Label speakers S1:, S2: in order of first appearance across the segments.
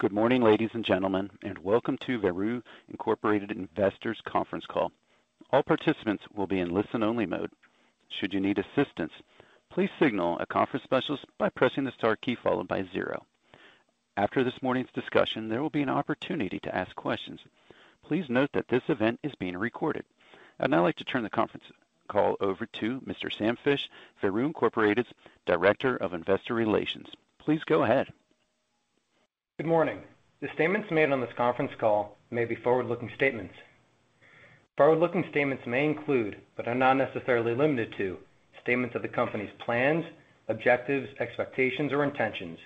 S1: Good morning, ladies and gentlemen, welcome to Veru Incorporated Investors Conference Call. All participants will be in listen-only mode. Should you need assistance, please signal a conference specialist by pressing the star key followed by zero. After this morning's discussion, there will be an opportunity to ask questions. Please note that this event is being recorded. I'd now like to turn the conference call over to Mr. Sam Fisch, Veru Incorporated's Director of Investor Relations. Please go ahead.
S2: Good morning. The statements made on this conference call may be forward-looking statements. Forward-looking statements may include, but are not necessarily limited to, statements of the company's plans, objectives, expectations, or intentions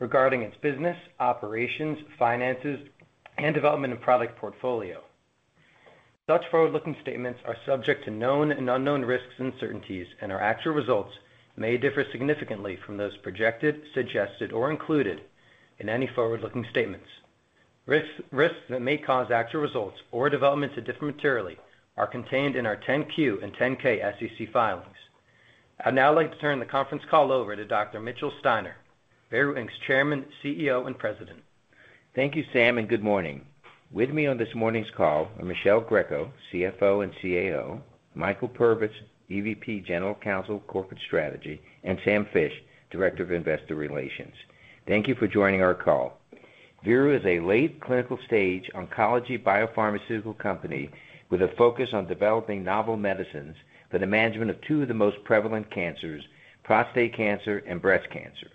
S2: regarding its business, operations, finances, and development and product portfolio. Such forward-looking statements are subject to known and unknown risks and uncertainties, and our actual results may differ significantly from those projected, suggested, or included in any forward-looking statements. Risks that may cause actual results or developments to differ materially are contained in our 10-Q and 10-K SEC filings. I'd now like to turn the conference call over to Dr. Mitchell Steiner, Veru Inc.'s Chairman, CEO, and President.
S3: Thank you, Sam, good morning. With me on this morning's call are Michele Greco, CFO and CAO, Michael Purvis, EVP, General Counsel, Corporate Strategy, and Sam Fisch, Director of Investor Relations. Thank you for joining our call. Veru is a late clinical stage oncology biopharmaceutical company with a focus on developing novel medicines for the management of two of the most prevalent cancers, prostate cancer and breast cancer.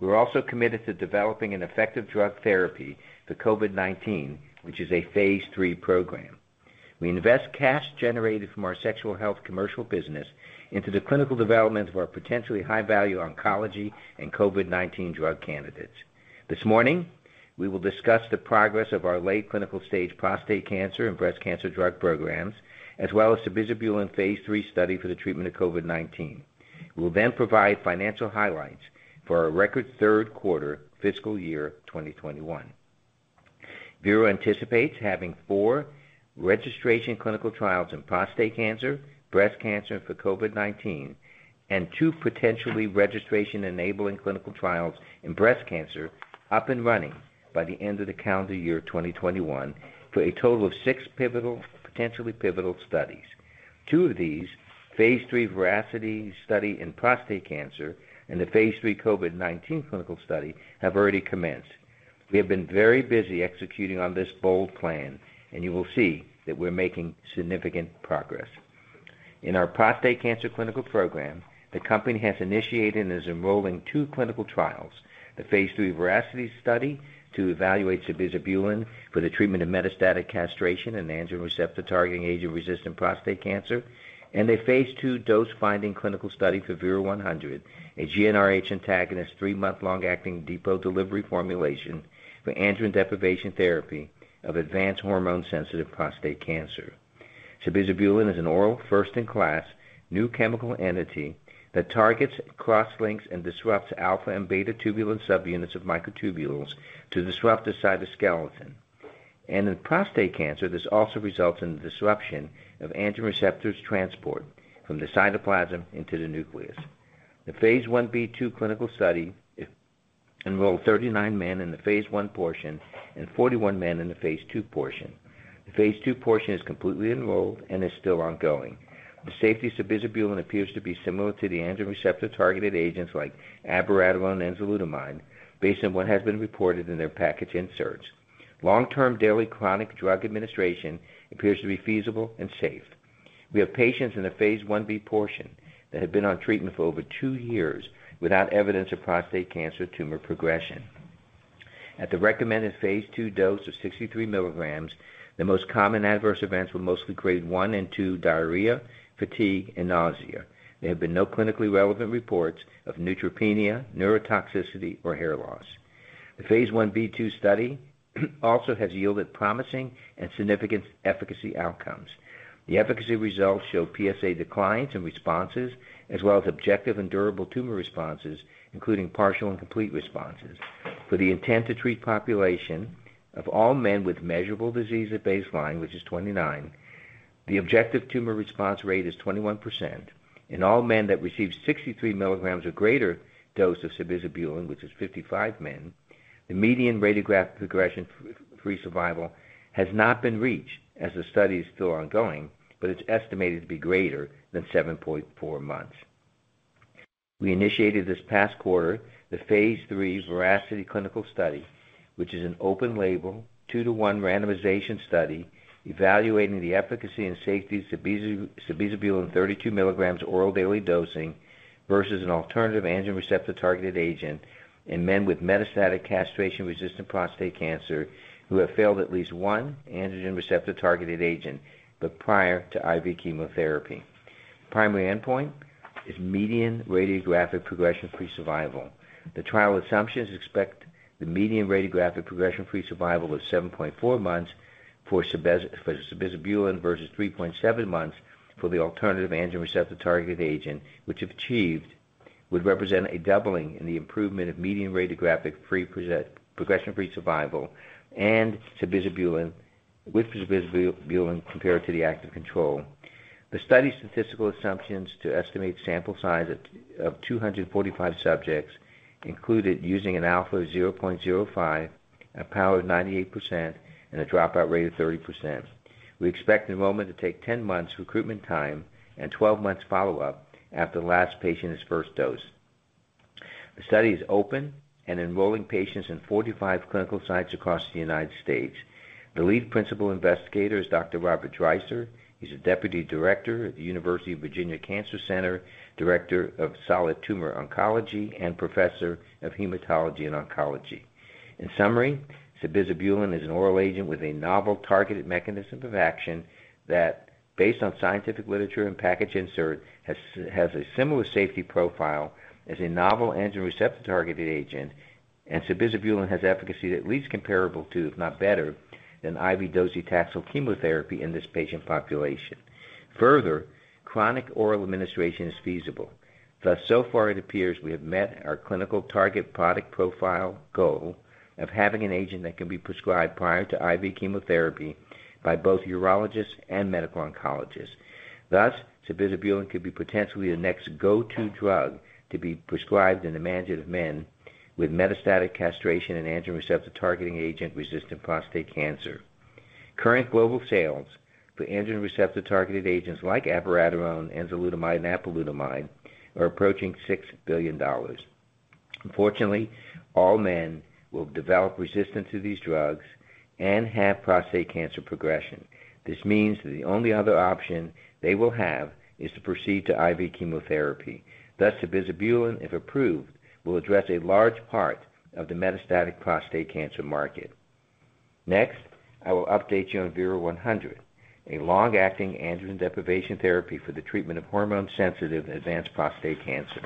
S3: We're also committed to developing an effective drug therapy for COVID-19, which is a phase III program. We invest cash generated from our sexual health commercial business into the clinical development of our potentially high-value oncology and COVID-19 drug candidates. This morning, we will discuss the progress of our late clinical stage prostate cancer and breast cancer drug programs, as well as sabizabulin phase III study for the treatment of COVID-19. We'll then provide financial highlights for our record Q3 fiscal year 2021. Veru anticipates having four registration clinical trials in prostate cancer, breast cancer, and for COVID-19, and two potentially registration-enabling clinical trials in breast cancer up and running by the end of the calendar year 2021, for a total of six potentially pivotal studies. Two of these, Phase III VERACITY study in prostate cancer and the Phase III COVID-19 clinical study, have already commenced. We have been very busy executing on this bold plan, and you will see that we're making significant progress. In our prostate cancer clinical program, the company has initiated and is enrolling two clinical trials, the phase III VERACITY study to evaluate sabizabulin for the treatment of metastatic castration and androgen receptor targeting agent-resistant prostate cancer, and a phase II dose-finding clinical study for VERU-100, a GnRH antagonist three-month long-acting depot delivery formulation for androgen deprivation therapy of advanced hormone-sensitive prostate cancer. Sabizabulin is an oral first-in-class new chemical entity that targets cross-links and disrupts alpha and beta tubulin subunits of microtubules to disrupt the cytoskeleton. In prostate cancer, this also results in the disruption of androgen receptors transport from the cytoplasm into the nucleus. The phase I-B/II clinical study enrolled 39 men in the phase I portion and 41 men in the phase II portion. The phase II portion is completely enrolled and is still ongoing. The safety of sabizabulin appears to be similar to the androgen receptor-targeted agents like abiraterone and enzalutamide, based on what has been reported in their package inserts. Long-term daily chronic drug administration appears to be feasible and safe. We have patients in the phase I-B portion that have been on treatment for over two years without evidence of prostate cancer tumor progression. At the recommended phase II dose of 63 milligrams, the most common adverse events were mostly Grade 1 and 2 diarrhea, fatigue, and nausea. There have been no clinically relevant reports of neutropenia, neurotoxicity, or hair loss. The phase I-B/II study also has yielded promising and significant efficacy outcomes. The efficacy results show PSA declines in responses, as well as objective and durable tumor responses, including partial and complete responses. For the intent to treat population of all men with measurable disease at baseline, which is 29, the objective tumor response rate is 21%, in all men that received 63 milligrams or greater dose of sabizabulin, which is 55 men, the median radiographic progression-free survival has not been reached as the study is still ongoing, but it's estimated to be greater than 7.4 months. We initiated this past quarter the Phase III VERACITY clinical study, which is an open label 2-to-1 randomization study evaluating the efficacy and safety of sabizabulin 32 milligrams oral daily dosing versus an alternative androgen receptor-targeted agent in men with metastatic castration-resistant prostate cancer who have failed at least one androgen receptor-targeted agent, but prior to IV chemotherapy. Primary endpoint is median radiographic progression-free survival. The trial assumptions expect the median radiographic progression-free survival of 7.4 months for sabizabulin versus 3.7 months for the alternative androgen receptor-targeted agent, which if achieved, would represent a doubling in the improvement of median radiographic progression-free survival and With sabizabulin compared to the active control. The study statistical assumptions to estimate sample size of 245 subjects included using an alpha of 0.05, a power of 98%, and a dropout rate of 30%. We expect enrollment to take 10 months recruitment time and 12 months follow-up after the last patient's first dose. The study is open and enrolling patients in 45 clinical sites across the United States. The lead principal investigator is Dr. Robert Dreicer. He's a deputy director at the University of Virginia Cancer Center, Director of Solid Tumor Oncology, and Professor of Hematology and Oncology. In summary, sabizabulin is an oral agent with a novel targeted mechanism of action that, based on scientific literature and package insert, has a similar safety profile as a novel androgen receptor-targeted agent, and sabizabulin has efficacy that's at least comparable to, if not better, than IV docetaxel chemotherapy in this patient population. Chronic oral administration is feasible. So far it appears we have met our clinical target product profile goal of having an agent that can be prescribed prior to IV chemotherapy by both urologists and medical oncologists. Sabizabulin could be potentially the next go-to drug to be prescribed in the management of men with metastatic castration and androgen receptor-targeting agent resistant prostate cancer. Current global sales for androgen receptor-targeted agents like abiraterone, enzalutamide, and apalutamide are approaching $6 billion. Unfortunately, all men will develop resistance to these drugs and have prostate cancer progression. This means that the only other option they will have is to proceed to IV chemotherapy. Thus, sabizabulin, if approved, will address a large part of the metastatic prostate cancer market. Next, I will update you on VERU-100, a long-acting androgen deprivation therapy for the treatment of hormone-sensitive advanced prostate cancer.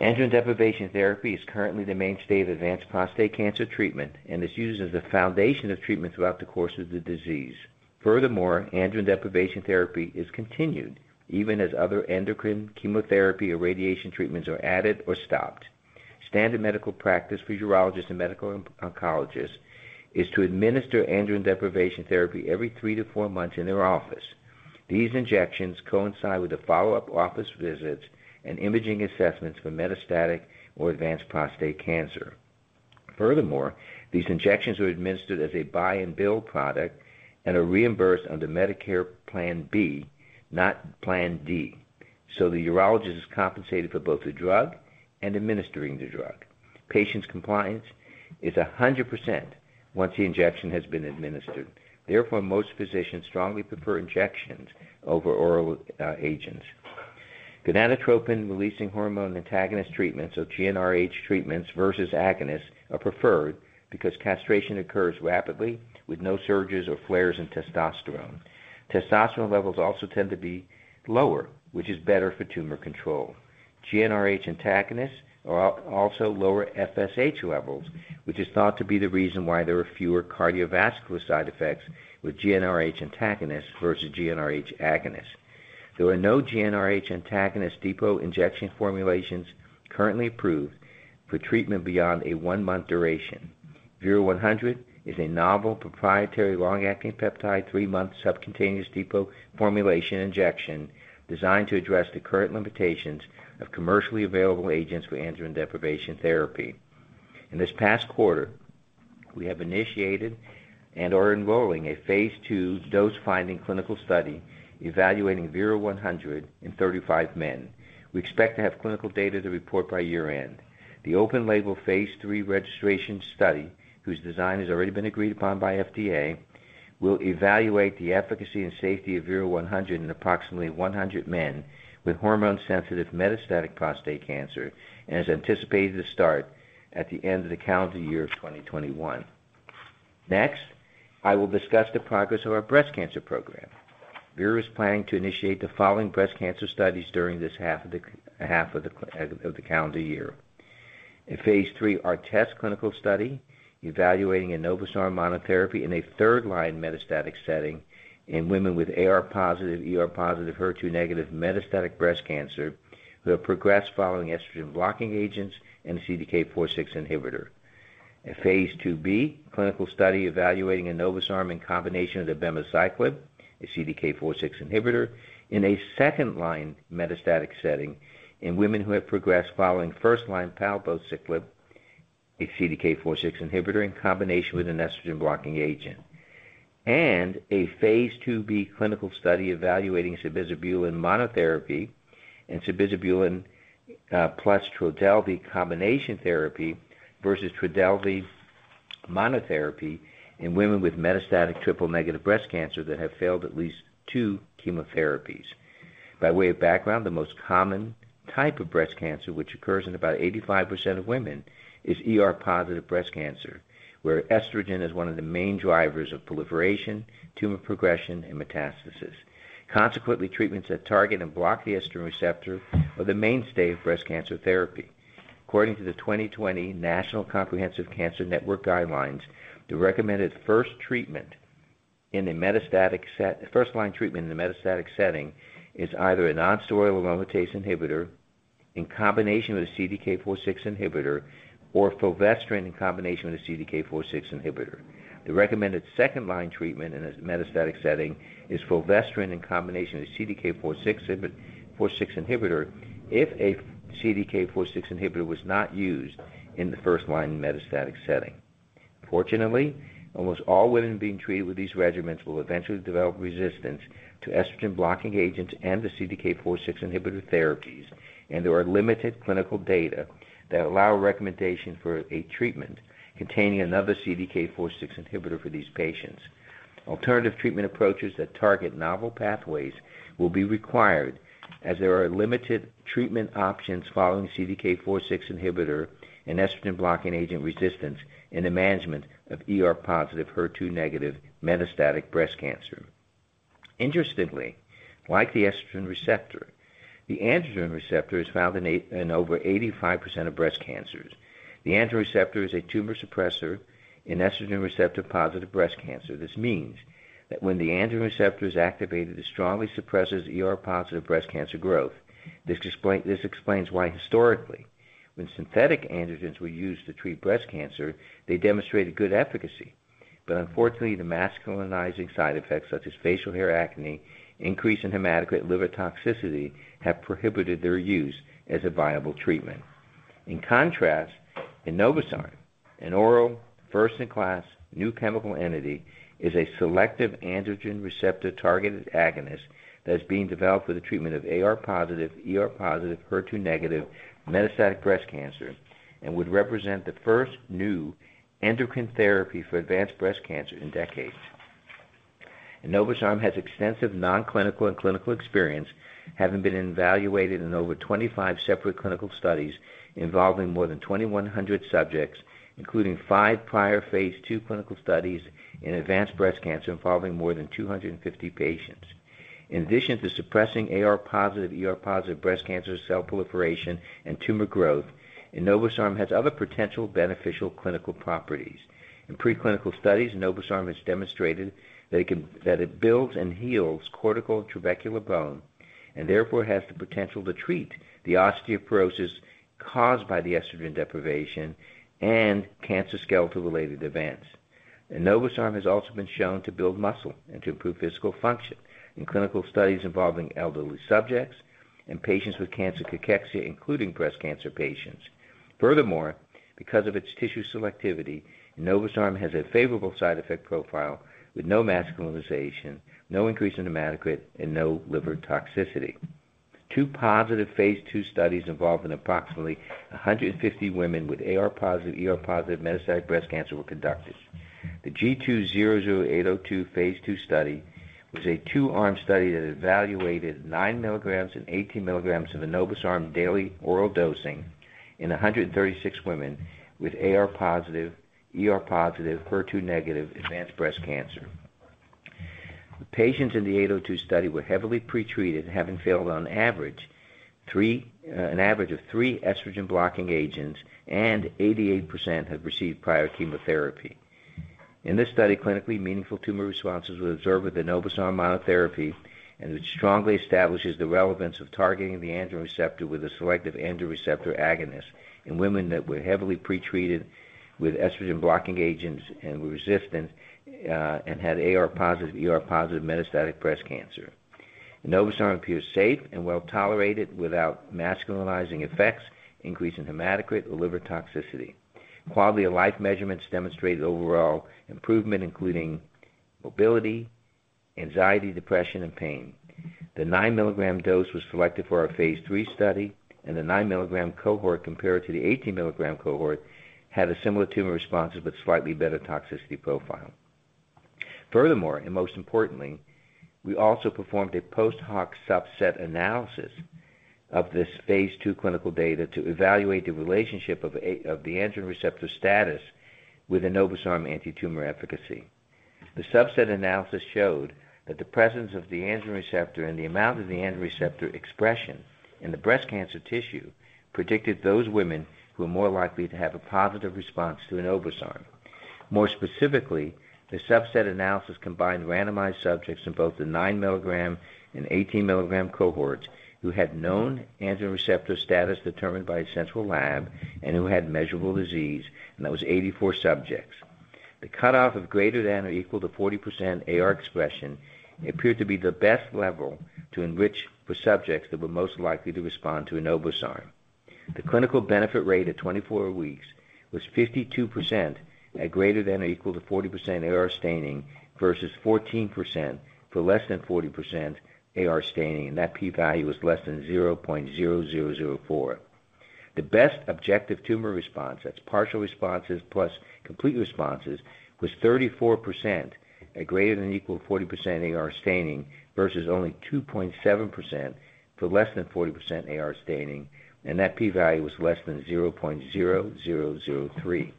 S3: Androgen deprivation therapy is currently the mainstay of advanced prostate cancer treatment and is used as the foundation of treatment throughout the course of the disease. Furthermore, androgen deprivation therapy is continued even as other endocrine chemotherapy or radiation treatments are added or stopped. Standard medical practice for urologists and medical oncologists is to administer androgen deprivation therapy every three to four months in their office. These injections coincide with the follow-up office visits and imaging assessments for metastatic or advanced prostate cancer. Furthermore, these injections are administered as a buy and bill product and are reimbursed under Medicare Part B, not Plan D, so the urologist is compensated for both the drug and administering the drug. Patients' compliance is 100% once the injection has been administered. Most physicians strongly prefer injections over oral agents. gonadotropin-releasing hormone antagonist treatments or GnRH treatments versus agonists are preferred because castration occurs rapidly with no surges or flares in testosterone. Testosterone levels also tend to be lower, which is better for tumor control. GnRH antagonists also lower FSH levels, which is thought to be the reason why there are fewer cardiovascular side effects with GnRH antagonists versus GnRH agonists. There are no GnRH antagonist depot injection formulations currently approved for treatment beyond a one-month duration. VERU-100 is a novel proprietary long-acting peptide, three-month subcutaneous depot formulation injection designed to address the current limitations of commercially available agents for androgen deprivation therapy. In this past quarter, we have initiated and are enrolling a phase II dose-finding clinical study evaluating VERU-100 in 35 men. We expect to have clinical data to report by year-end. The open label phase III registration study, whose design has already been agreed upon by FDA, will evaluate the efficacy and safety of VERU-100 in approximately 100 men with hormone-sensitive metastatic prostate cancer and is anticipated to start at the end of the calendar year of 2021. Next, I will discuss the progress of our breast cancer program. Veru is planning to initiate the following breast cancer studies during this half of the calendar year. A phase III ARTEST clinical study evaluating enobosarm monotherapy in a 3rd-line metastatic setting in women with AR-positive, ER-positive, HER2-negative metastatic breast cancer who have progressed following estrogen blocking agents and a CDK4/6 inhibitor. A phase II-B clinical study evaluating enobosarm in combination with abemaciclib, a CDK4/6 inhibitor, in a 2nd-line metastatic setting in women who have progressed following 1st-line palbociclib, a CDK4/6 inhibitor, in combination with an estrogen blocking agent. A phase II-B clinical study evaluating sabizabulin monotherapy and sabizabulin plus TRODELVY combination therapy versus TRODELVY monotherapy in women with metastatic triple-negative breast cancer that have failed at least 2 chemotherapies. By way of background, the most common type of breast cancer, which occurs in about 85% of women, is ER-positive breast cancer, where estrogen is 1 of the main drivers of proliferation, tumor progression, and metastasis. Consequently, treatments that target and block the estrogen receptor are the mainstay of breast cancer therapy. According to the 2020 National Comprehensive Cancer Network guidelines, the recommended first-line treatment in the metastatic setting is either a non-steroidal aromatase inhibitor in combination with a CDK4/6 inhibitor or fulvestrant in combination with a CDK4/6 inhibitor. The recommended second-line treatment in a metastatic setting is fulvestrant in combination with CDK4/6 inhibitor if a CDK4/6 inhibitor was not used in the first-line metastatic setting. Unfortunately, almost all women being treated with these regimens will eventually develop resistance to estrogen-blocking agents and the CDK4/6 inhibitor therapies, and there are limited clinical data that allow recommendation for a treatment containing another CDK4/6 inhibitor for these patients. Alternative treatment approaches that target novel pathways will be required as there are limited treatment options following CDK4/6 inhibitor and estrogen blocking agent resistance in the management of ER-positive, HER2-negative metastatic breast cancer. Interestingly, like the estrogen receptor, the androgen receptor is found in over 85% of breast cancers. The androgen receptor is a tumor suppressor in estrogen receptor positive breast cancer. This means that when the androgen receptor is activated, it strongly suppresses ER-positive breast cancer growth. This explains why historically, when synthetic androgens were used to treat breast cancer, they demonstrated good efficacy. Unfortunately, the masculinizing side effects such as facial hair acne, increase in hematocrit liver toxicity, have prohibited their use as a viable treatment. In contrast, enobosarm, an oral first-in-class new chemical entity, is a selective androgen receptor-targeted agonist that is being developed for the treatment of AR-positive, ER-positive, HER2-negative metastatic breast cancer and would represent the first new endocrine therapy for advanced breast cancer in decades. Enobosarm has extensive non-clinical and clinical experience, having been evaluated in over 25 separate clinical studies involving more than 2,100 subjects, including five prior phase II clinical studies in advanced breast cancer involving more than 250 patients. In addition to suppressing AR-positive, ER-positive breast cancer cell proliferation and tumor growth, enobosarm has other potential beneficial clinical properties. In pre-clinical studies, enobosarm has demonstrated that it builds and heals cortical trabecular bone and therefore has the potential to treat the osteoporosis caused by the estrogen deprivation and cancer skeletal-related events. Enobosarm has also been shown to build muscle and to improve physical function in clinical studies involving elderly subjects and patients with cancer cachexia, including breast cancer patients. Furthermore, because of its tissue selectivity, enobosarm has a favorable side effect profile with no masculinization, no increase in hematocrit, and no liver toxicity. Two positive phase II studies involving approximately 150 women with AR-positive, ER-positive metastatic breast cancer were conducted. The G200802 phase II study was a two-arm study that evaluated nine milligrams and 18 milligrams of enobosarm daily oral dosing in 136 women with AR-positive, ER-positive, HER2-negative advanced breast cancer. The patients in the 802 study were heavily pretreated, having failed on an average of three estrogen-blocking agents, and 88% had received prior chemotherapy. In this study, clinically meaningful tumor responses were observed with enobosarm monotherapy. It strongly establishes the relevance of targeting the androgen receptor with a selective androgen receptor agonist in women that were heavily pretreated with estrogen-blocking agents and were resistant and had AR-positive, ER-positive metastatic breast cancer. Enobosarm appears safe and well-tolerated without masculinizing effects, increase in hematocrit or liver toxicity. Quality-of-life measurements demonstrated overall improvement, including mobility, anxiety, depression, and pain. The 9-milligram dose was selected for our phase III study. The 9-milligram cohort compared to the 18-milligram cohort had a similar tumor response but a slightly better toxicity profile. Furthermore, most importantly, we also performed a post hoc subset analysis of this phase II clinical data to evaluate the relationship of the androgen receptor status with enobosarm anti-tumor efficacy. The subset analysis showed that the presence of the androgen receptor and the amount of the androgen receptor expression in the breast cancer tissue predicted those women who are more likely to have a positive response to enobosarm. More specifically, the subset analysis combined randomized subjects in both the 9 milligram and 18 milligram cohorts who had known androgen receptor status determined by a central lab and who had measurable disease, and that was 84 subjects. The cutoff of greater than or equal to 40% AR expression appeared to be the best level to enrich for subjects that were most likely to respond to enobosarm. The clinical benefit rate at 24 weeks was 52% at greater than or equal to 40% AR staining versus 14% for less than 40% AR staining. That P value was less than 0.0004. The best objective tumor response, that's partial responses plus complete responses, was 34% at greater than or equal 40% AR staining versus only 2.7% for less than 40% AR staining, and that P value was less than 0.0003.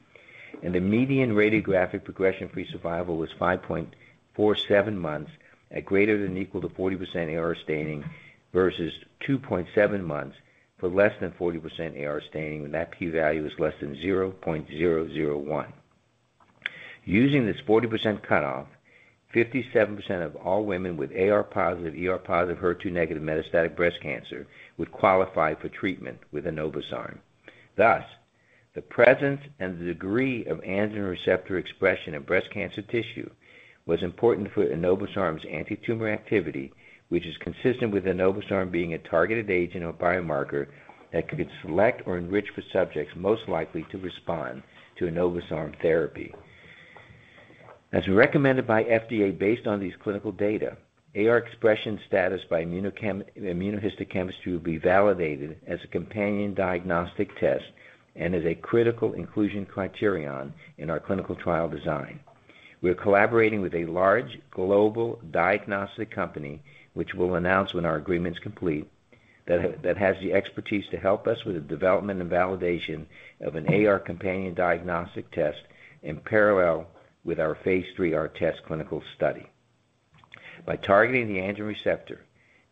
S3: The median radiographic progression-free survival was 5.47 months at greater than or equal to 40% AR staining versus 2.7 months for less than 40% AR staining, when that P value is less than 0.001. Using this 40% cutoff, 57% of all women with AR positive, ER positive, HER2 negative metastatic breast cancer would qualify for treatment with enobosarm. Thus, the presence and the degree of androgen receptor expression in breast cancer tissue was important for enobosarm's antitumor activity, which is consistent with enobosarm being a targeted agent or biomarker that could select or enrich for subjects most likely to respond to enobosarm therapy. As recommended by FDA based on these clinical data, AR expression status by immunohistochemistry will be validated as a companion diagnostic test and as a critical inclusion criterion in our clinical trial design. We're collaborating with a large global diagnostic company, which we'll announce when our agreement's complete, that has the expertise to help us with the development and validation of an AR companion diagnostic test in parallel with our phase III-ARTEST clinical study. By targeting the androgen receptor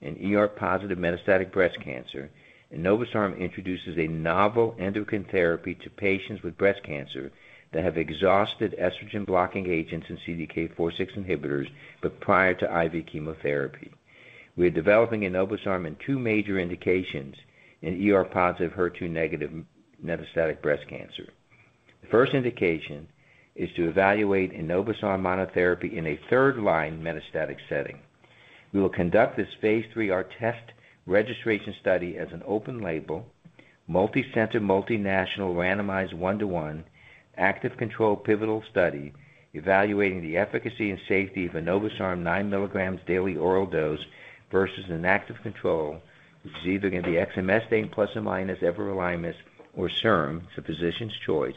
S3: in ER-positive metastatic breast cancer, enobosarm introduces a novel endocrine therapy to patients with breast cancer that have exhausted estrogen-blocking agents and CDK4/6 inhibitors, but prior to IV chemotherapy. We are developing enobosarm in two major indications in ER-positive, HER2-negative metastatic breast cancer. The first indication is to evaluate enobosarm monotherapy in a third-line metastatic setting. We will conduct this Phase III-ARTEST registration study as an open label, multi-center, multi-national, randomized 1-to-1 active control pivotal study evaluating the efficacy and safety of enobosarm 9 mg daily oral dose versus an active control, which is either going to be exemestane plus or minus everolimus or SERM, it's a physician's choice,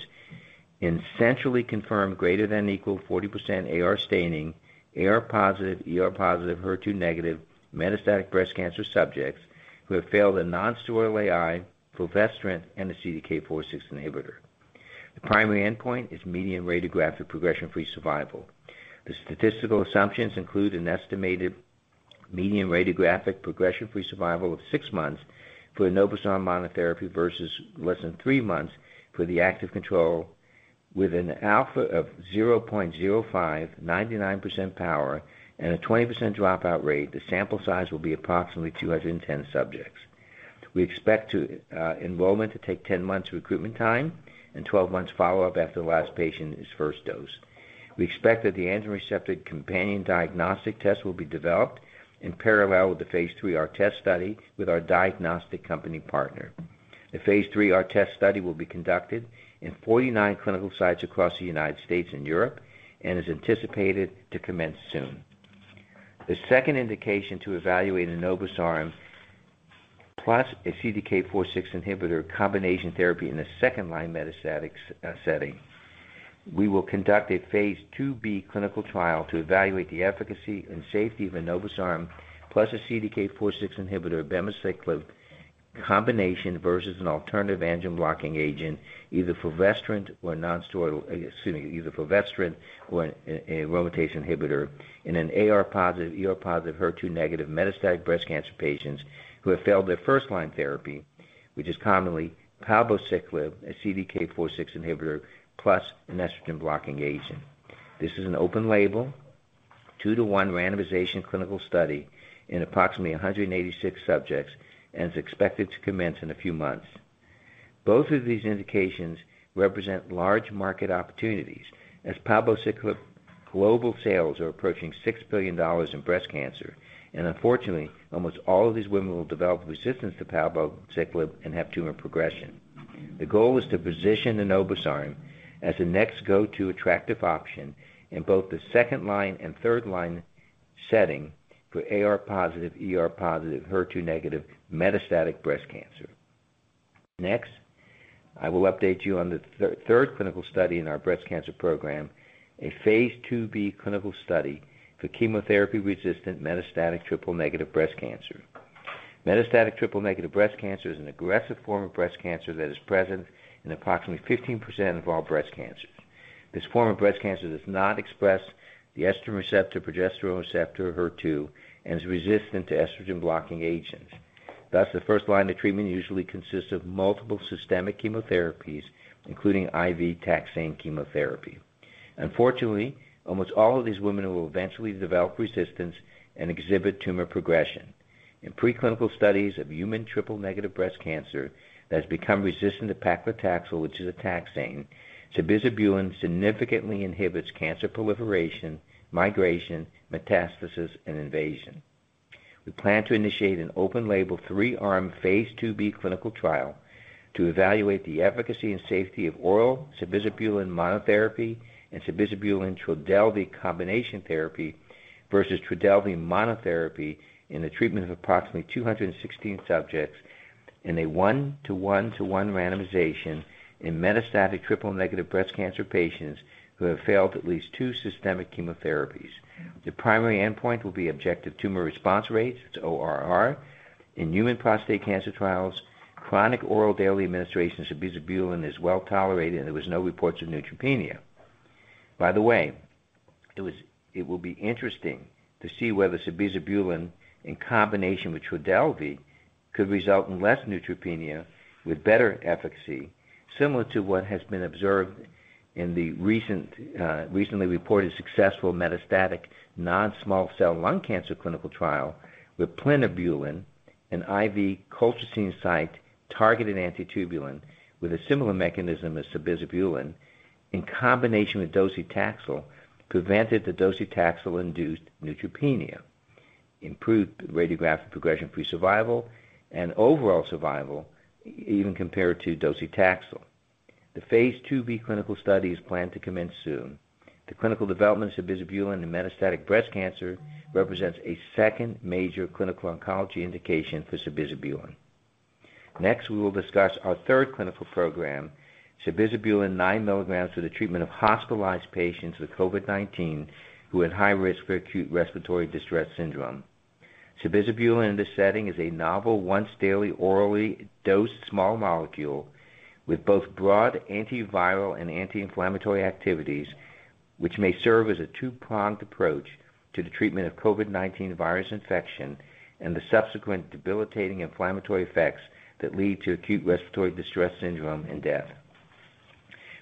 S3: in centrally confirmed greater than or equal 40% AR staining, AR positive, ER positive, HER2 negative metastatic breast cancer subjects who have failed a non-steroidal AI, fulvestrant, and a CDK4/6 inhibitor. The primary endpoint is median radiographic progression-free survival. The statistical assumptions include an estimated median radiographic progression-free survival of 6 months for enobosarm monotherapy versus less than three months for the active control with an alpha of 0.05, 99% power, and a 20% dropout rate. The sample size will be approximately 210 subjects. We expect enrollment to take 10 months recruitment time and 12 months follow-up after the last patient's first dose. We expect that the androgen receptor companion diagnostic test will be developed in parallel with the Phase III-ARTEST study with our diagnostic company partner. The Phase III-ARTEST study will be conducted in 49 clinical sites across the U.S. and Europe and is anticipated to commence soon. The second indication to evaluate enobosarm plus a CDK4/6 inhibitor combination therapy in a second-line metastatic setting. We will conduct a Phase IIb clinical trial to evaluate the efficacy and safety of enobosarm plus a CDK4/6 inhibitor abemaciclib combination versus an alternative androgen blocking agent, either fulvestrant or a aromatase inhibitor in an AR-positive, ER-positive, HER2-negative metastatic breast cancer patients who have failed their first-line therapy, which is commonly palbociclib, a CDK4/6 inhibitor, plus an estrogen blocking agent. This is an open label, 2-to-1 randomization clinical study in approximately 186 subjects and is expected to commence in a few months. Both of these indications represent large market opportunities as palbociclib global sales are approaching $6 billion in breast cancer, and unfortunately, almost all of these women will develop resistance to palbociclib and have tumor progression. The goal is to position enobosarm as the next go-to attractive option in both the second-line and third-line setting for AR positive, ER positive, HER2 negative metastatic breast cancer. Next, I will update you on the third clinical study in our breast cancer program, a phase IIb clinical study for chemotherapy-resistant metastatic triple-negative breast cancer. Metastatic triple-negative breast cancer is an aggressive form of breast cancer that is present in approximately 15% of all breast cancers. This form of breast cancer does not express the estrogen receptor, progesterone receptor, or HER2, and is resistant to estrogen-blocking agents. Thus, the first line of treatment usually consists of multiple systemic chemotherapies, including IV taxane chemotherapy. Unfortunately, almost all of these women will eventually develop resistance and exhibit tumor progression. In preclinical studies of human triple-negative breast cancer that has become resistant to paclitaxel, which is a taxane, sabizabulin significantly inhibits cancer proliferation, migration, metastasis, and invasion. We plan to initiate an open-label, three-arm, phase II-B clinical trial to evaluate the efficacy and safety of oral sabizabulin monotherapy and sabizabulin-TRODELVY combination therapy versus TRODELVY monotherapy in the treatment of approximately 216 subjects in a 1:1:1 randomization in metastatic triple-negative breast cancer patients who have failed at least two systemic chemotherapies. The primary endpoint will be objective tumor response rate to ORR. In human prostate cancer trials, chronic oral daily administration of sabizabulin is well-tolerated, and there was no reports of neutropenia. By the way, it will be interesting to see whether sabizabulin in combination with TRODELVY could result in less neutropenia with better efficacy, similar to what has been observed in the recently reported successful metastatic non-small cell lung cancer clinical trial with plinabulin, an IV colchicine site targeted antitubulin with a similar mechanism as sabizabulin in combination with docetaxel prevented the docetaxel-induced neutropenia, improved radiographic progression-free survival and overall survival even compared to docetaxel. The phase II-B clinical study is planned to commence soon. The clinical development of sabizabulin in metastatic breast cancer represents a second major clinical oncology indication for sabizabulin. Next, we will discuss our third clinical program, sabizabulin 9 milligrams for the treatment of hospitalized patients with COVID-19 who are at high risk for acute respiratory distress syndrome. Sabizabulin in this setting is a novel once daily orally dosed small molecule with both broad antiviral and anti-inflammatory activities, which may serve as a two-pronged approach to the treatment of COVID-19 virus infection and the subsequent debilitating inflammatory effects that lead to acute respiratory distress syndrome and death.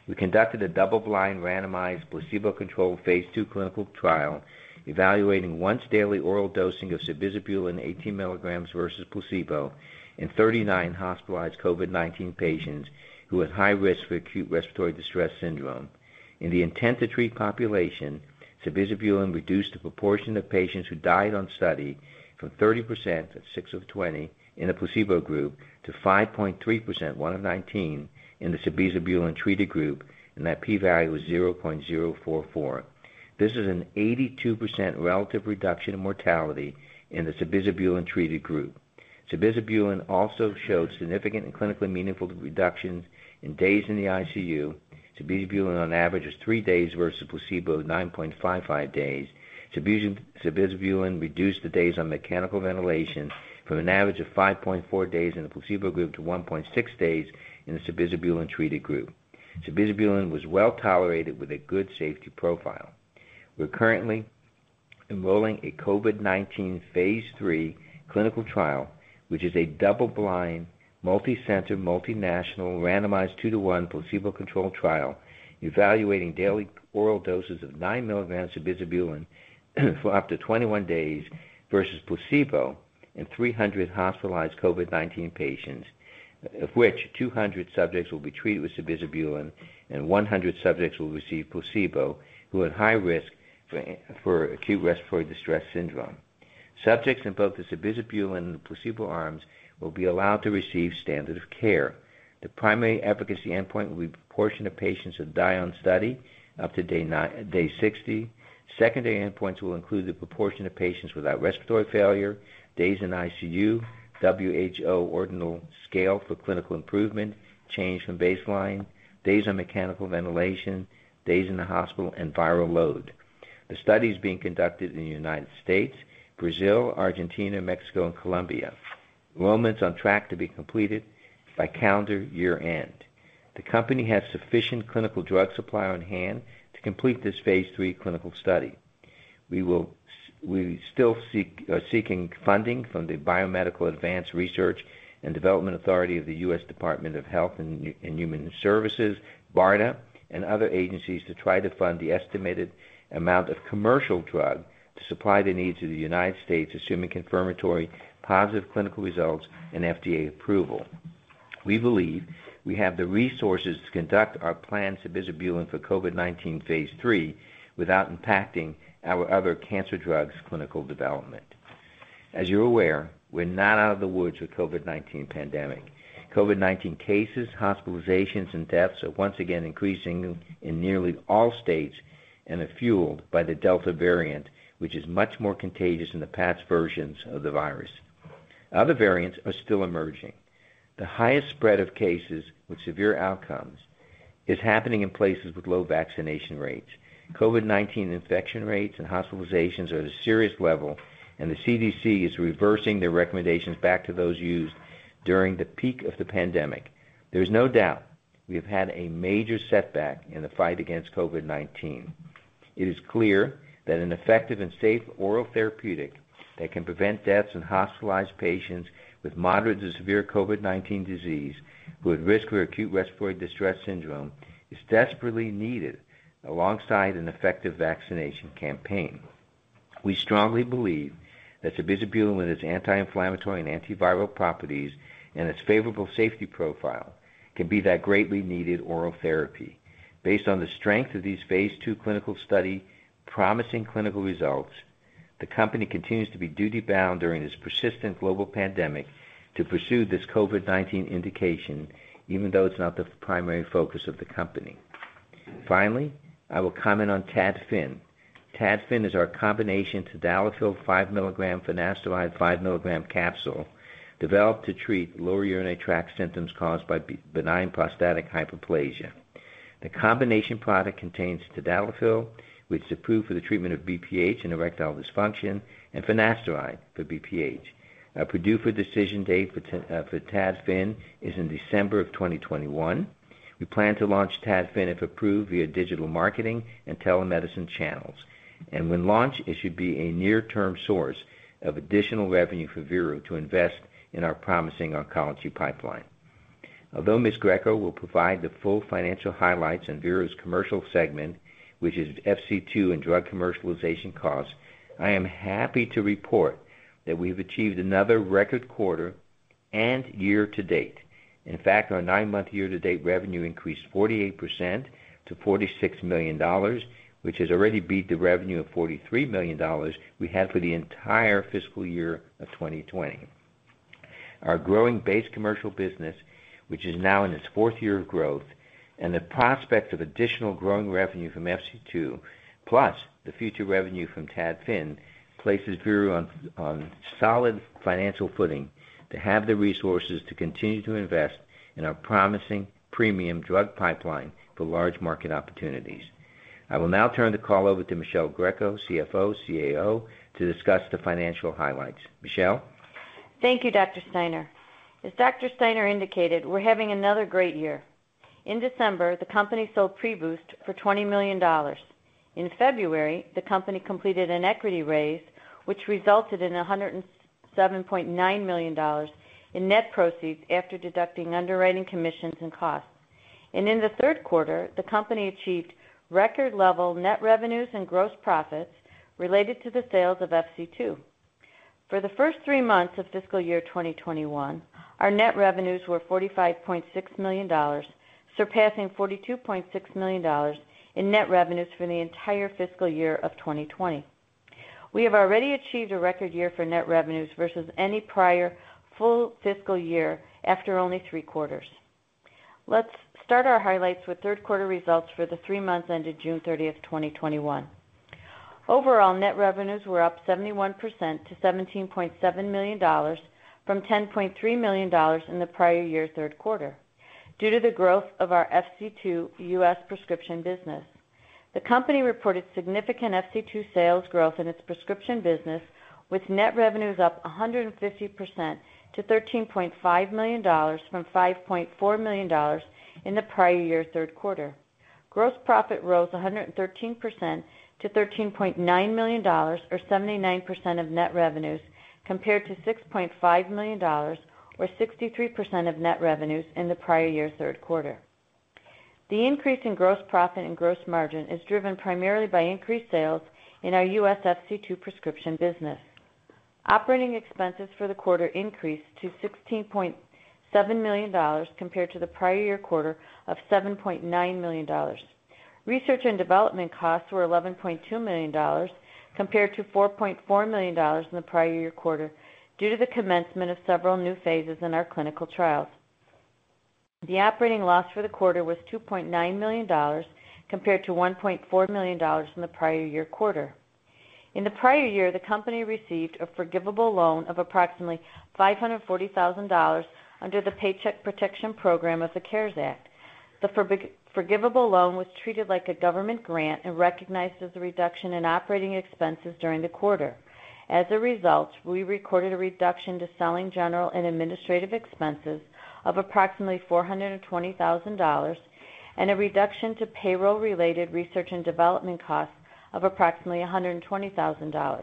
S3: We conducted a double-blind, randomized, placebo-controlled phase II clinical trial evaluating once daily oral dosing of sabizabulin 18 milligrams versus placebo in 39 hospitalized COVID-19 patients who were at high risk for acute respiratory distress syndrome. In the intent to treat population, sabizabulin reduced the proportion of patients who died on study from 30%, 6 of 20, in the placebo group to 5.3%, 1 of 19, in the sabizabulin-treated group. That P value was 0.044. This is an 82% relative reduction in mortality in the sabizabulin-treated group. sabizabulin also showed significant and clinically meaningful reductions in days in the ICU. Sabizabulin on average is three days versus placebo, 9.55 days. Sabizabulin reduced the days on mechanical ventilation from an average of 5.4 days in the placebo group to 1.6 days in the sabizabulin-treated group. Sabizabulin was well-tolerated with a good safety profile. We're currently enrolling a COVID-19 phase III clinical trial, which is a double-blind, multicenter, multinational, randomized 2-to-1 placebo-controlled trial evaluating daily oral doses of 9 milligrams sabizabulin for up to 21 days versus placebo in 300 hospitalized COVID-19 patients, of which 200 subjects will be treated with sabizabulin and 100 subjects will receive placebo who are at high risk for acute respiratory distress syndrome. Subjects in both the sabizabulin and the placebo arms will be allowed to receive standard of care. The primary efficacy endpoint will be proportion of patients who die on study up to day 60. Secondary endpoints will include the proportion of patients without respiratory failure, days in ICU, WHO ordinal scale for clinical improvement, change from baseline, days on mechanical ventilation, days in the hospital, and viral load. The study is being conducted in the U.S., Brazil, Argentina, Mexico, and Colombia. Enrollment's on track to be completed by calendar year-end. The company has sufficient clinical drug supply on hand to complete this phase III clinical study. We are still seeking funding from the Biomedical Advanced Research and Development Authority of the US Department of Health and Human Services, BARDA, and other agencies to try to fund the estimated amount of commercial drug to supply the needs of the U.S., assuming confirmatory positive clinical results and FDA approval. We believe we have the resources to conduct our planned sabizabulin for COVID-19 phase III without impacting our other cancer drugs clinical development. As you're aware, we're not out of the woods with COVID-19 pandemic. COVID-19 cases, hospitalizations, and deaths are once again increasing in nearly all states and are fueled by the Delta variant, which is much more contagious than the past versions of the virus. Other variants are still emerging. The highest spread of cases with severe outcomes is happening in places with low vaccination rates. COVID-19 infection rates and hospitalizations are at a serious level, and the CDC is reversing their recommendations back to those used during the peak of the pandemic. There's no doubt we have had a major setback in the fight against COVID-19. It is clear that an effective and safe oral therapeutic that can prevent deaths in hospitalized patients with moderate to severe COVID-19 disease who are at risk for acute respiratory distress syndrome is desperately needed alongside an effective vaccination campaign. We strongly believe that sabizabulin with its anti-inflammatory and antiviral properties and its favorable safety profile can be that greatly needed oral therapy. Based on the strength of these phase II clinical study promising clinical results, the company continues to be duty bound during this persistent global pandemic to pursue this COVID-19 indication, even though it's not the primary focus of the company. Finally, I will comment on ENTADFI. ENTADFI is our combination tadalafil 5 milligram, finasteride 5 milligram capsule developed to treat lower urinary tract symptoms caused by benign prostatic hyperplasia. The combination product contains tadalafil, which is approved for the treatment of BPH and erectile dysfunction, and finasteride for BPH. Our PDUFA decision date for ENTADFI is in December of 2021. We plan to launch TADFIN, if approved, via digital marketing and telemedicine channels. When launched, it should be a near-term source of additional revenue for Veru to invest in our promising oncology pipeline. Although Ms. Greco will provide the full financial highlights in Veru's commercial segment, which is FC2 and drug commercialization costs, I am happy to report that we've achieved another record quarter and year-to-date. In fact, our nine-month year-to-date revenue increased 48% to $46 million, which has already beat the revenue of $43 million we had for the entire fiscal year of 2020. Our growing base commercial business, which is now in its fourth year of growth, and the prospect of additional growing revenue from FC2, plus the future revenue from TADFIN, places Veru on solid financial footing to have the resources to continue to invest in our promising premium drug pipeline for large market opportunities. I will now turn the call over to Michele Greco, CFO, CAO, to discuss the financial highlights. Michele?
S4: Thank you, Dr. Steiner. As Dr. Steiner indicated, we're having another great year. In December, the company sold PREBOOST for $20 million. In February, the company completed an equity raise, which resulted in $107.9 million in net proceeds after deducting underwriting commissions and costs. In the third quarter, the company achieved record level net revenues and gross profits related to the sales of FC2. For the first three months of fiscal year 2021, our net revenues were $45.6 million, surpassing $42.6 million in net revenues for the entire fiscal year of 2020. We have already achieved a record year for net revenues versus any prior full fiscal year after only three quarters. Let's start our highlights with third quarter results for the three months ended June 30th, 2021. Overall, net revenues were up 71% to $17.7 million from $10.3 million in the prior year Q3 due to the growth of our FC2 U.S. prescription business. The company reported significant FC2 sales growth in its prescription business, with net revenues up 150% to $13.5 million from $5.4 million in the prior year Q3. Gross profit rose 113% to $13.9 million, or 79% of net revenues, compared to $6.5 million, or 63% of net revenues in the prior year Q3. The increase in gross profit and gross margin is driven primarily by increased sales in our U.S. FC2 prescription business. Operating expenses for the quarter increased to $16.7 million compared to the prior year quarter of $7.9 million. Research and development costs were $11.2 million compared to $4.4 million in the prior year quarter due to the commencement of several new phases in our clinical trials. The operating loss for the quarter was $2.9 million compared to $1.4 million in the prior year quarter. In the prior year, the company received a forgivable loan of approximately $540,000 under the Paycheck Protection Program of the CARES Act. The forgivable loan was treated like a government grant and recognized as a reduction in operating expenses during the quarter. As a result, we recorded a reduction to selling general and administrative expenses of approximately $420,000 and a reduction to payroll-related research and development costs of approximately $120,000.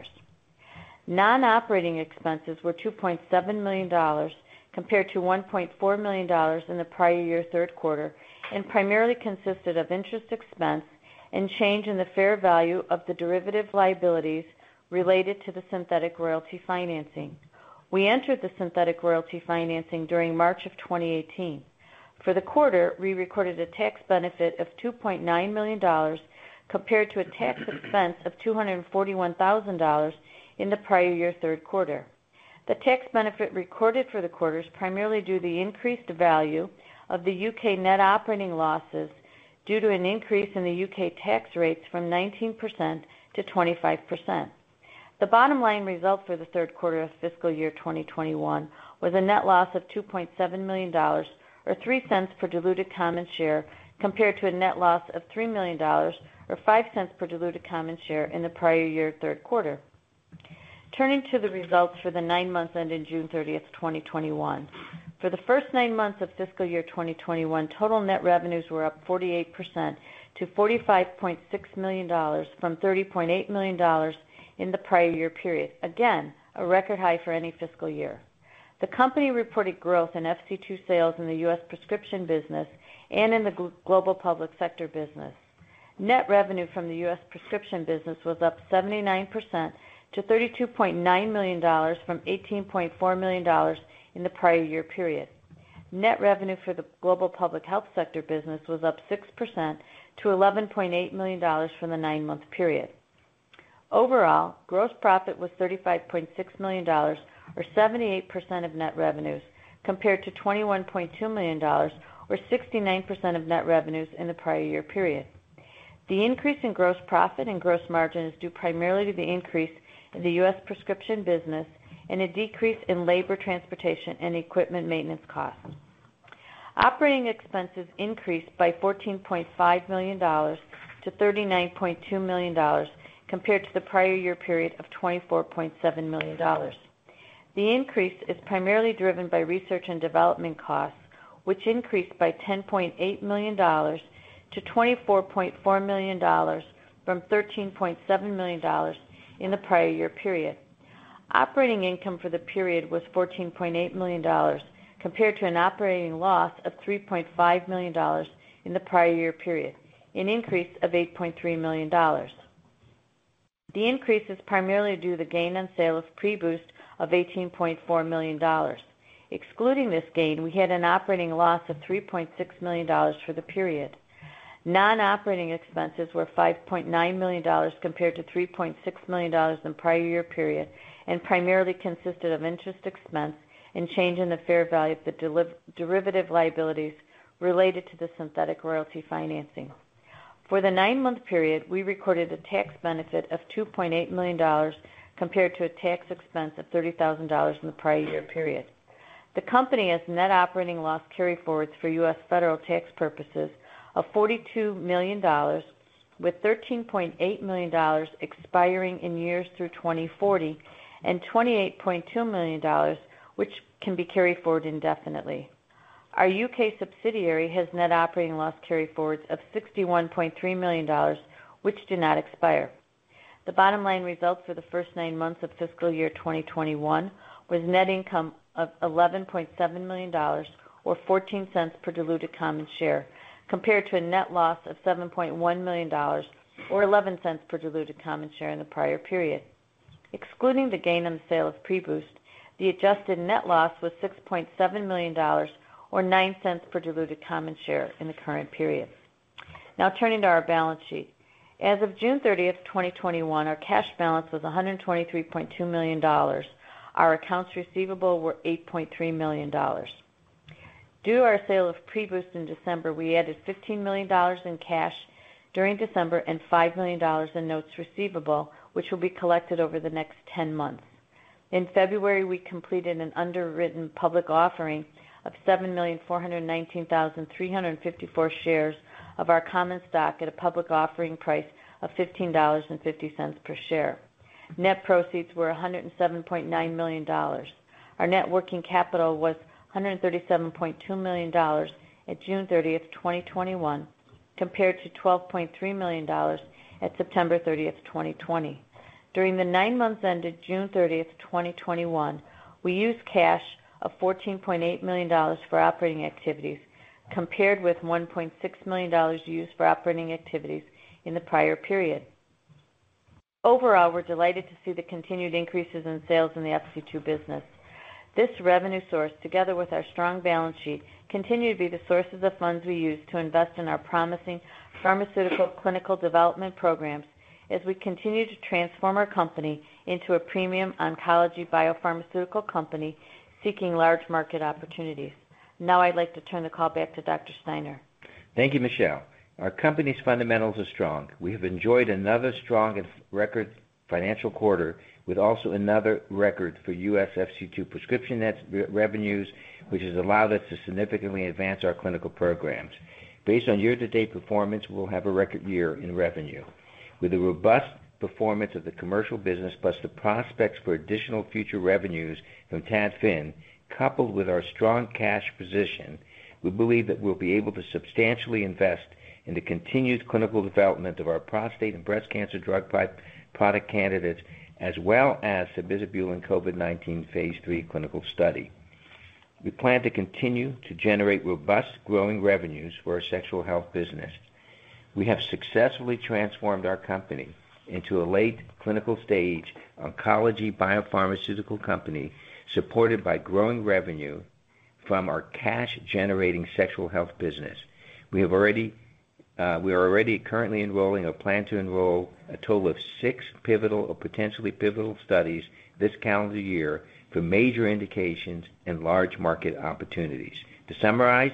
S4: Non-operating expenses were $2.7 million compared to $1.4 million in the prior year third quarter and primarily consisted of interest expense and change in the fair value of the derivative liabilities related to the synthetic royalty financing. We entered the synthetic royalty financing during March of 2018. For the quarter, we recorded a tax benefit of $2.9 million compared to a tax expense of $241,000 in the prior year Q3. The tax benefit recorded for the quarter is primarily due to the increased value of the U.K. net operating losses due to an increase in the U.K. tax rates from 19% to 25%. The bottom line result for the Q3 of fiscal year 2021 was a net loss of $2.7 million, or $0.03 per diluted common share, compared to a net loss of $3 million, or $0.05 per diluted common share, in the prior year third quarter. Turning to the results for the nine months ended June 30th, 2021. For the first nine months of fiscal year 2021, total net revenues were up 48% to $45.6 million from $30.8 million in the prior year period. Again, a record high for any fiscal year. The company reported growth in FC2 sales in the U.S. prescription business and in the global public sector business. Net revenue from the U.S. prescription business was up 79% to $32.9 million from $18.4 million in the prior year period. Net revenue for the global public health sector business was up 6% to $11.8 million from the nine-month period. Overall, gross profit was $35.6 million, or 78% of net revenues, compared to $21.2 million, or 69% of net revenues in the prior year period. The increase in gross profit and gross margin is due primarily to the increase in the U.S. prescription business and a decrease in labor, transportation, and equipment maintenance costs. Operating expenses increased by $14.5 million-$39.2 million compared to the prior year period of $24.7 million. The increase is primarily driven by research and development costs, which increased by $10.8 million to $24.4 million from $13.7 million in the prior year period. Operating income for the period was $14.8 million, compared to an operating loss of $3.5 million in the prior year period, an increase of $8.3 million. The increase is primarily due to the gain on sale of PREBOOST of $18.4 million. Excluding this gain, we had an operating loss of $3.6 million for the period. Non-operating expenses were $5.9 million compared to $3.6 million in the prior year period, and primarily consisted of interest expense and change in the fair value of the derivative liabilities related to the synthetic royalty financing. For the 9-month period, we recorded a tax benefit of $2.8 million, compared to a tax expense of $30,000 in the prior year period. The company has net operating loss carryforwards for U.S. federal tax purposes of $42 million, with $13.8 million expiring in years through 2040 and $28.2 million, which can be carried forward indefinitely. Our U.K. subsidiary has net operating loss carryforwards of $61.3 million, which do not expire. The bottom line results for the first nine months of fiscal year 2021 was net income of $11.7 million, or $0.14 per diluted common share, compared to a net loss of $7.1 million or $0.11 per diluted common share in the prior period. Excluding the gain on the sale of PREBOOST, the adjusted net loss was $6.7 million or $0.09 per diluted common share in the current period. Turning to our balance sheet. As of June 30th, 2021, our cash balance was $123.2 million. Our accounts receivable were $8.3 million. Due to our sale of PREBOOST in December, we added $15 million in cash during December and $5 million in notes receivable, which will be collected over the next 10 months. In February, we completed an underwritten public offering of 7,419,354 shares of our common stock at a public offering price of $15.50 per share. Net proceeds were $107.9 million. Our net working capital was $137.2 million at June 30th, 2021, compared to $12.3 million at September 30th, 2020. During the nine months ended June 30th, 2021, we used cash of $14.8 million for operating activities, compared with $1.6 million used for operating activities in the prior period. Overall, we're delighted to see the continued increases in sales in the FC2 business. This revenue source, together with our strong balance sheet, continue to be the sources of funds we use to invest in our promising pharmaceutical clinical development programs as we continue to transform our company into a premium oncology biopharmaceutical company seeking large market opportunities. I'd like to turn the call back to Dr. Steiner.
S3: Thank you, Michele. Our company's fundamentals are strong. We have enjoyed another strong record financial quarter with also another record for U.S. FC2 prescription net revenues, which has allowed us to significantly advance our clinical programs. Based on year-to-date performance, we'll have a record year in revenue. With the robust performance of the commercial business, plus the prospects for additional future revenues from TADFIN, coupled with our strong cash position, we believe that we'll be able to substantially invest in the continued clinical development of our prostate and breast cancer drug product candidates, as well as the sabizabulin COVID-19 phase III clinical study. We plan to continue to generate robust growing revenues for our sexual health business. We have successfully transformed our company into a late clinical stage oncology biopharmaceutical company, supported by growing revenue from our cash-generating sexual health business. We are already currently enrolling or plan to enroll a total of nine pivotal or potentially pivotal studies this calendar year for major indications and large market opportunities. To summarize,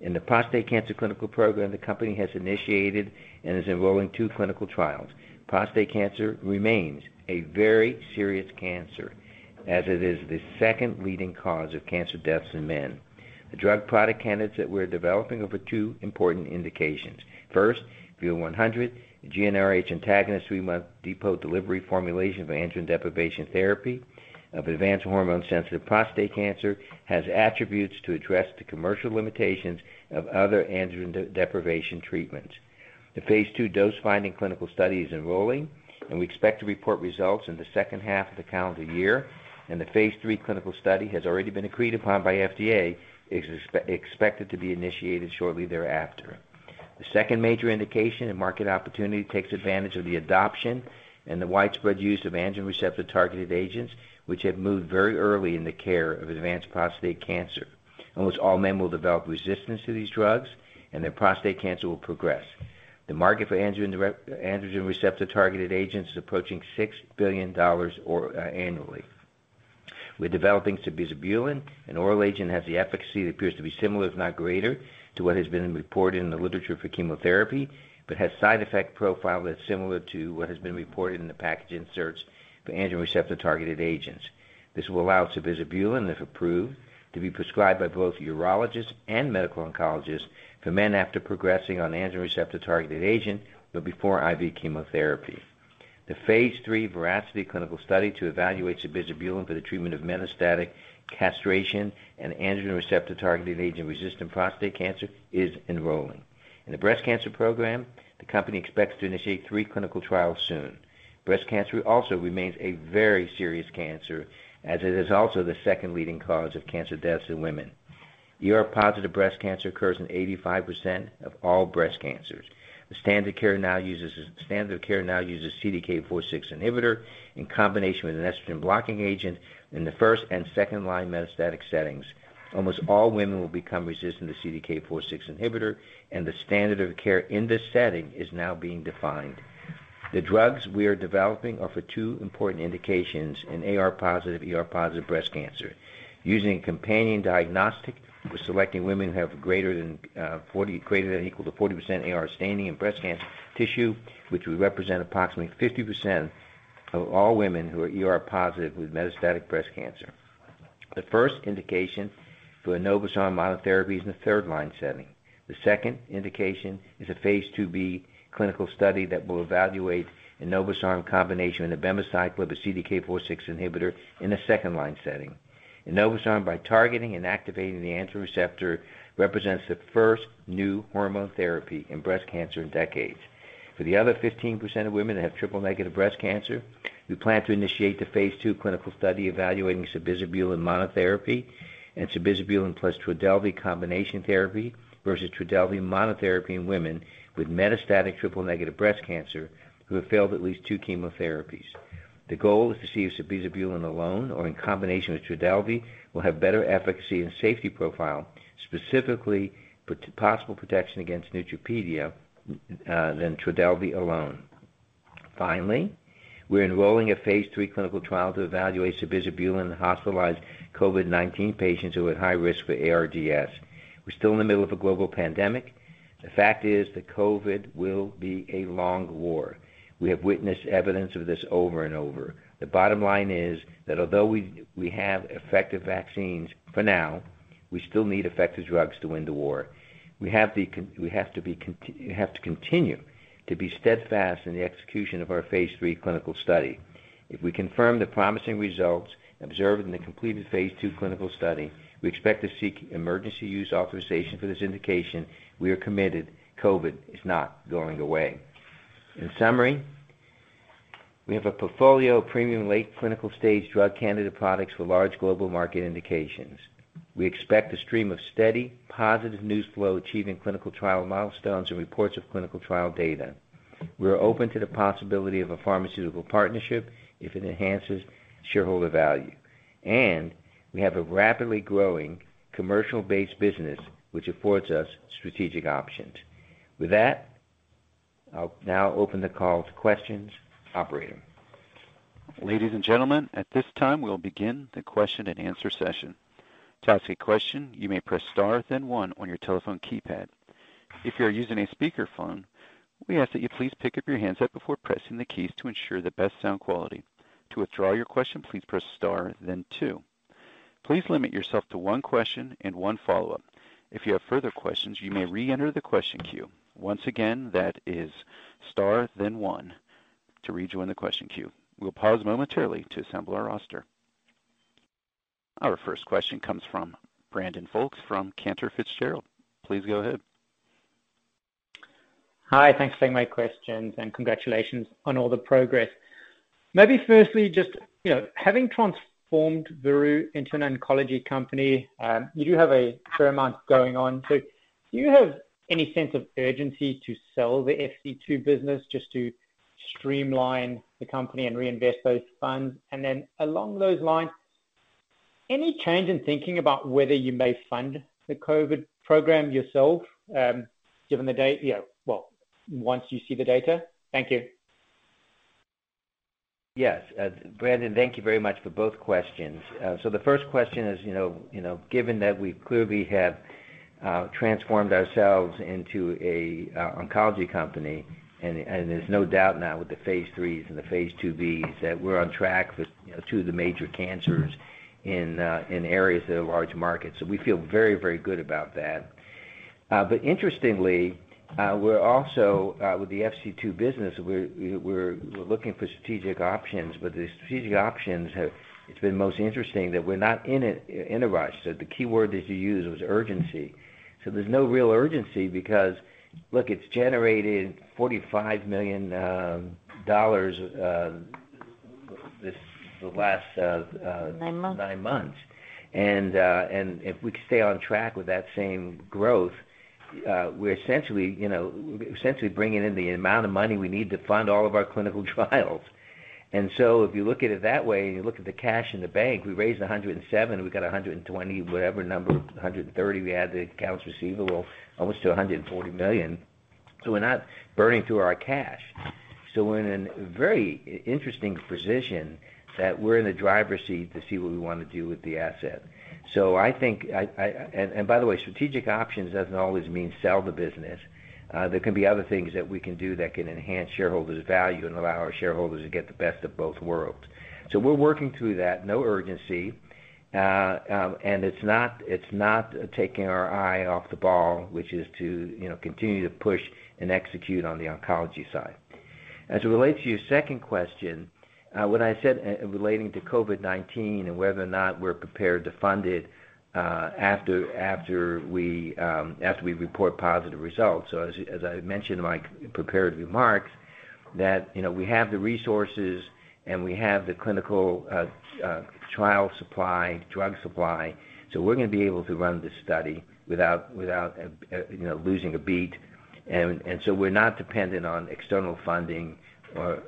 S3: in the prostate cancer clinical program, the company has initiated and is enrolling two clinical trials. Prostate cancer remains a very serious cancer as it is the second leading cause of cancer deaths in men. The drug product candidates that we're developing over two important indications. First, VERU-100, a GnRH antagonist three-month depot delivery formulation of androgen deprivation therapy of advanced hormone sensitive prostate cancer, has attributes to address the commercial limitations of other androgen deprivation treatments. The phase II dose-finding clinical study is enrolling, and we expect to report results in the second half of the calendar year, and the phase III clinical study has already been agreed upon by FDA, is expected to be initiated shortly thereafter. The second major indication and market opportunity takes advantage of the adoption and the widespread use of androgen receptor-targeted agents, which have moved very early in the care of advanced prostate cancer. Almost all men will develop resistance to these drugs and their prostate cancer will progress. The market for androgen receptor-targeted agents is approaching $6 billion annually. We're developing sabizabulin, an oral agent, has the efficacy that appears to be similar, if not greater, to what has been reported in the literature for chemotherapy, but has side effect profile that's similar to what has been reported in the package inserts for androgen receptor-targeted agents. This will allow sabizabulin, if approved, to be prescribed by both urologists and medical oncologists for men after progressing on androgen receptor-targeted agent, but before IV chemotherapy. The phase III VERACITY clinical study to evaluate sabizabulin for the treatment of metastatic castration and androgen receptor-targeted agent-resistant prostate cancer is enrolling. In the breast cancer program, the company expects to initiate three clinical trials soon. Breast cancer also remains a very serious cancer, as it is also the second leading cause of cancer deaths in women. ER+ breast cancer occurs in 85% of all breast cancers. The standard of care now uses CDK4/6 inhibitor in combination with an estrogen-blocking agent in the first and second-line metastatic settings. Almost all women will become resistant to CDK4/6 inhibitor, and the standard of care in this setting is now being defined. The drugs we are developing are for two important indications in AR-positive, ER-positive breast cancer using companion diagnostic for selecting women who have greater than equal to 40% AR staining in breast cancer tissue, which would represent approximately 50% of all women who are ER positive with metastatic breast cancer. The first indication for enobosarm monotherapy is in the third-line setting. The second indication is a phase II-B clinical study that will evaluate enobosarm in combination with abemaciclib, a CDK4/6 inhibitor, in a second-line setting. Enobosarm, by targeting and activating the androgen receptor, represents the first new hormone therapy in breast cancer in decades. For the other 15% of women that have triple-negative breast cancer, we plan to initiate the phase II clinical study evaluating sabizabulin monotherapy and sabizabulin plus TRODELVY combination therapy versus TRODELVY monotherapy in women with metastatic triple-negative breast cancer who have failed at least two chemotherapies. The goal is to see if sabizabulin alone or in combination with TRODELVY will have better efficacy and safety profile, specifically possible protection against neutropenia than TRODELVY alone. We're enrolling a phase III clinical trial to evaluate sabizabulin in hospitalized COVID-19 patients who are at high risk for ARDS. We're still in the middle of a global pandemic. The fact is that COVID will be a long war. We have witnessed evidence of this over and over. The bottom line is that although we have effective vaccines for now, we still need effective drugs to win the war. We have to continue to be steadfast in the execution of our phase III clinical study. If we confirm the promising results observed in the completed phase II clinical study, we expect to seek emergency use authorization for this indication. We are committed. COVID is not going away. In summary, we have a portfolio of premium late clinical-stage drug candidate products for large global market indications. We expect a stream of steady, positive news flow achieving clinical trial milestones and reports of clinical trial data. We are open to the possibility of a pharmaceutical partnership if it enhances shareholder value, and we have a rapidly growing commercial-based business, which affords us strategic options. With that, I will now open the call to questions. Operator.
S1: Ladies and gentlemen, at this time we will begin the question and answer session. To ask a question, you may press star then one on your telephone keypad. If you are using a speakerphone, we ask that you please pick up your handset before pressing the keys to ensure the best sound quality. To withdraw your question, please press star then two. Please limit yourself to one question and one follow-up. If you have further questions, you may reenter the question queue. Once again, that is star then one to rejoin the question queue. We'll pause momentarily to assemble our roster. Our first question comes from Brandon Folkes from Cantor Fitzgerald. Please go ahead.
S5: Hi, thanks for taking my questions, and congratulations on all the progress. Maybe firstly, just having transformed Veru into an oncology company, you do have a fair amount going on. Do you have any sense of urgency to sell the FC2 business just to streamline the company and reinvest those funds? Along those lines, any change in thinking about whether you may fund the COVID program yourself once you see the data? Thank you.
S3: Yes. Brandon, thank you very much for both questions. The first question is, given that we clearly have transformed ourselves into a oncology company, and there's no doubt now with the phase IIIs and the phase II-Bs that we're on track for two of the major cancers in areas that have large markets. We feel very good about that. Interestingly, with the FC2 business, we're looking for strategic options. The strategic options have been most interesting that we're not in a rush. The key word that you used was urgency. There's no real urgency because, look, it's generated $45 million.
S4: Nine months
S3: This last nine months. If we stay on track with that same growth, we're essentially bringing in the amount of money we need to fund all of our clinical trials. If you look at it that way and you look at the cash in the bank, we raised $107, we got $120, whatever number, $130, we add the accounts receivable, almost to $140 million. We're not burning through our cash. We're in a very interesting position that we're in the driver's seat to see what we want to do with the asset. By the way, strategic options doesn't always mean sell the business. There can be other things that we can do that can enhance shareholders' value and allow our shareholders to get the best of both worlds. We're working through that. No urgency. It's not taking our eye off the ball, which is to continue to push and execute on the oncology side. As it relates to your second question, what I said relating to COVID-19 and whether or not we're prepared to fund it after we report positive results. As I mentioned in my prepared remarks that we have the resources and we have the clinical trial supply, drug supply. We're going to be able to run this study without losing a beat. We're not dependent on external funding for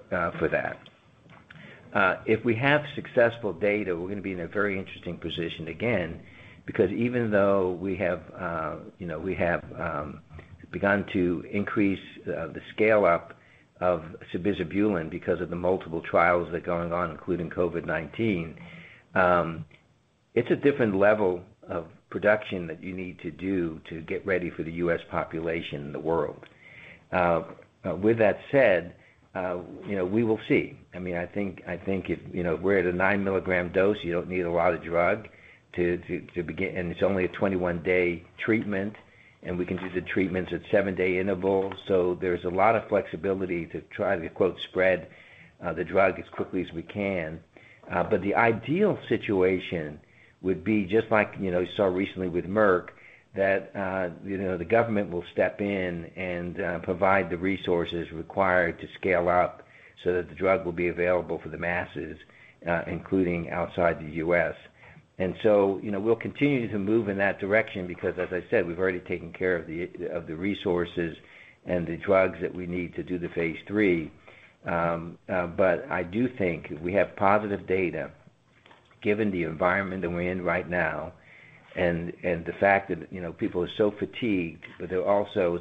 S3: that. If we have successful data, we're going to be in a very interesting position, again, because even though we have begun to increase the scale-up of sabizabulin because of the multiple trials that are going on, including COVID-19. It's a different level of production that you need to do to get ready for the U.S. population and the world. With that said, we will see. I think if we're at a 9-milligram dose, you don't need a lot of drug to begin, and it's only a 21-day treatment, and we can do the treatments at seven-day intervals. There's a lot of flexibility to try to, quote, "Spread the drug as quickly as we can." The ideal situation would be just like you saw recently with Merck, that the government will step in and provide the resources required to scale up so that the drug will be available for the masses, including outside the U.S. We'll continue to move in that direction because, as I said, we've already taken care of the resources and the drugs that we need to do the phase III. I do think if we have positive data, given the environment that we're in right now and the fact that people are so fatigued, but they're also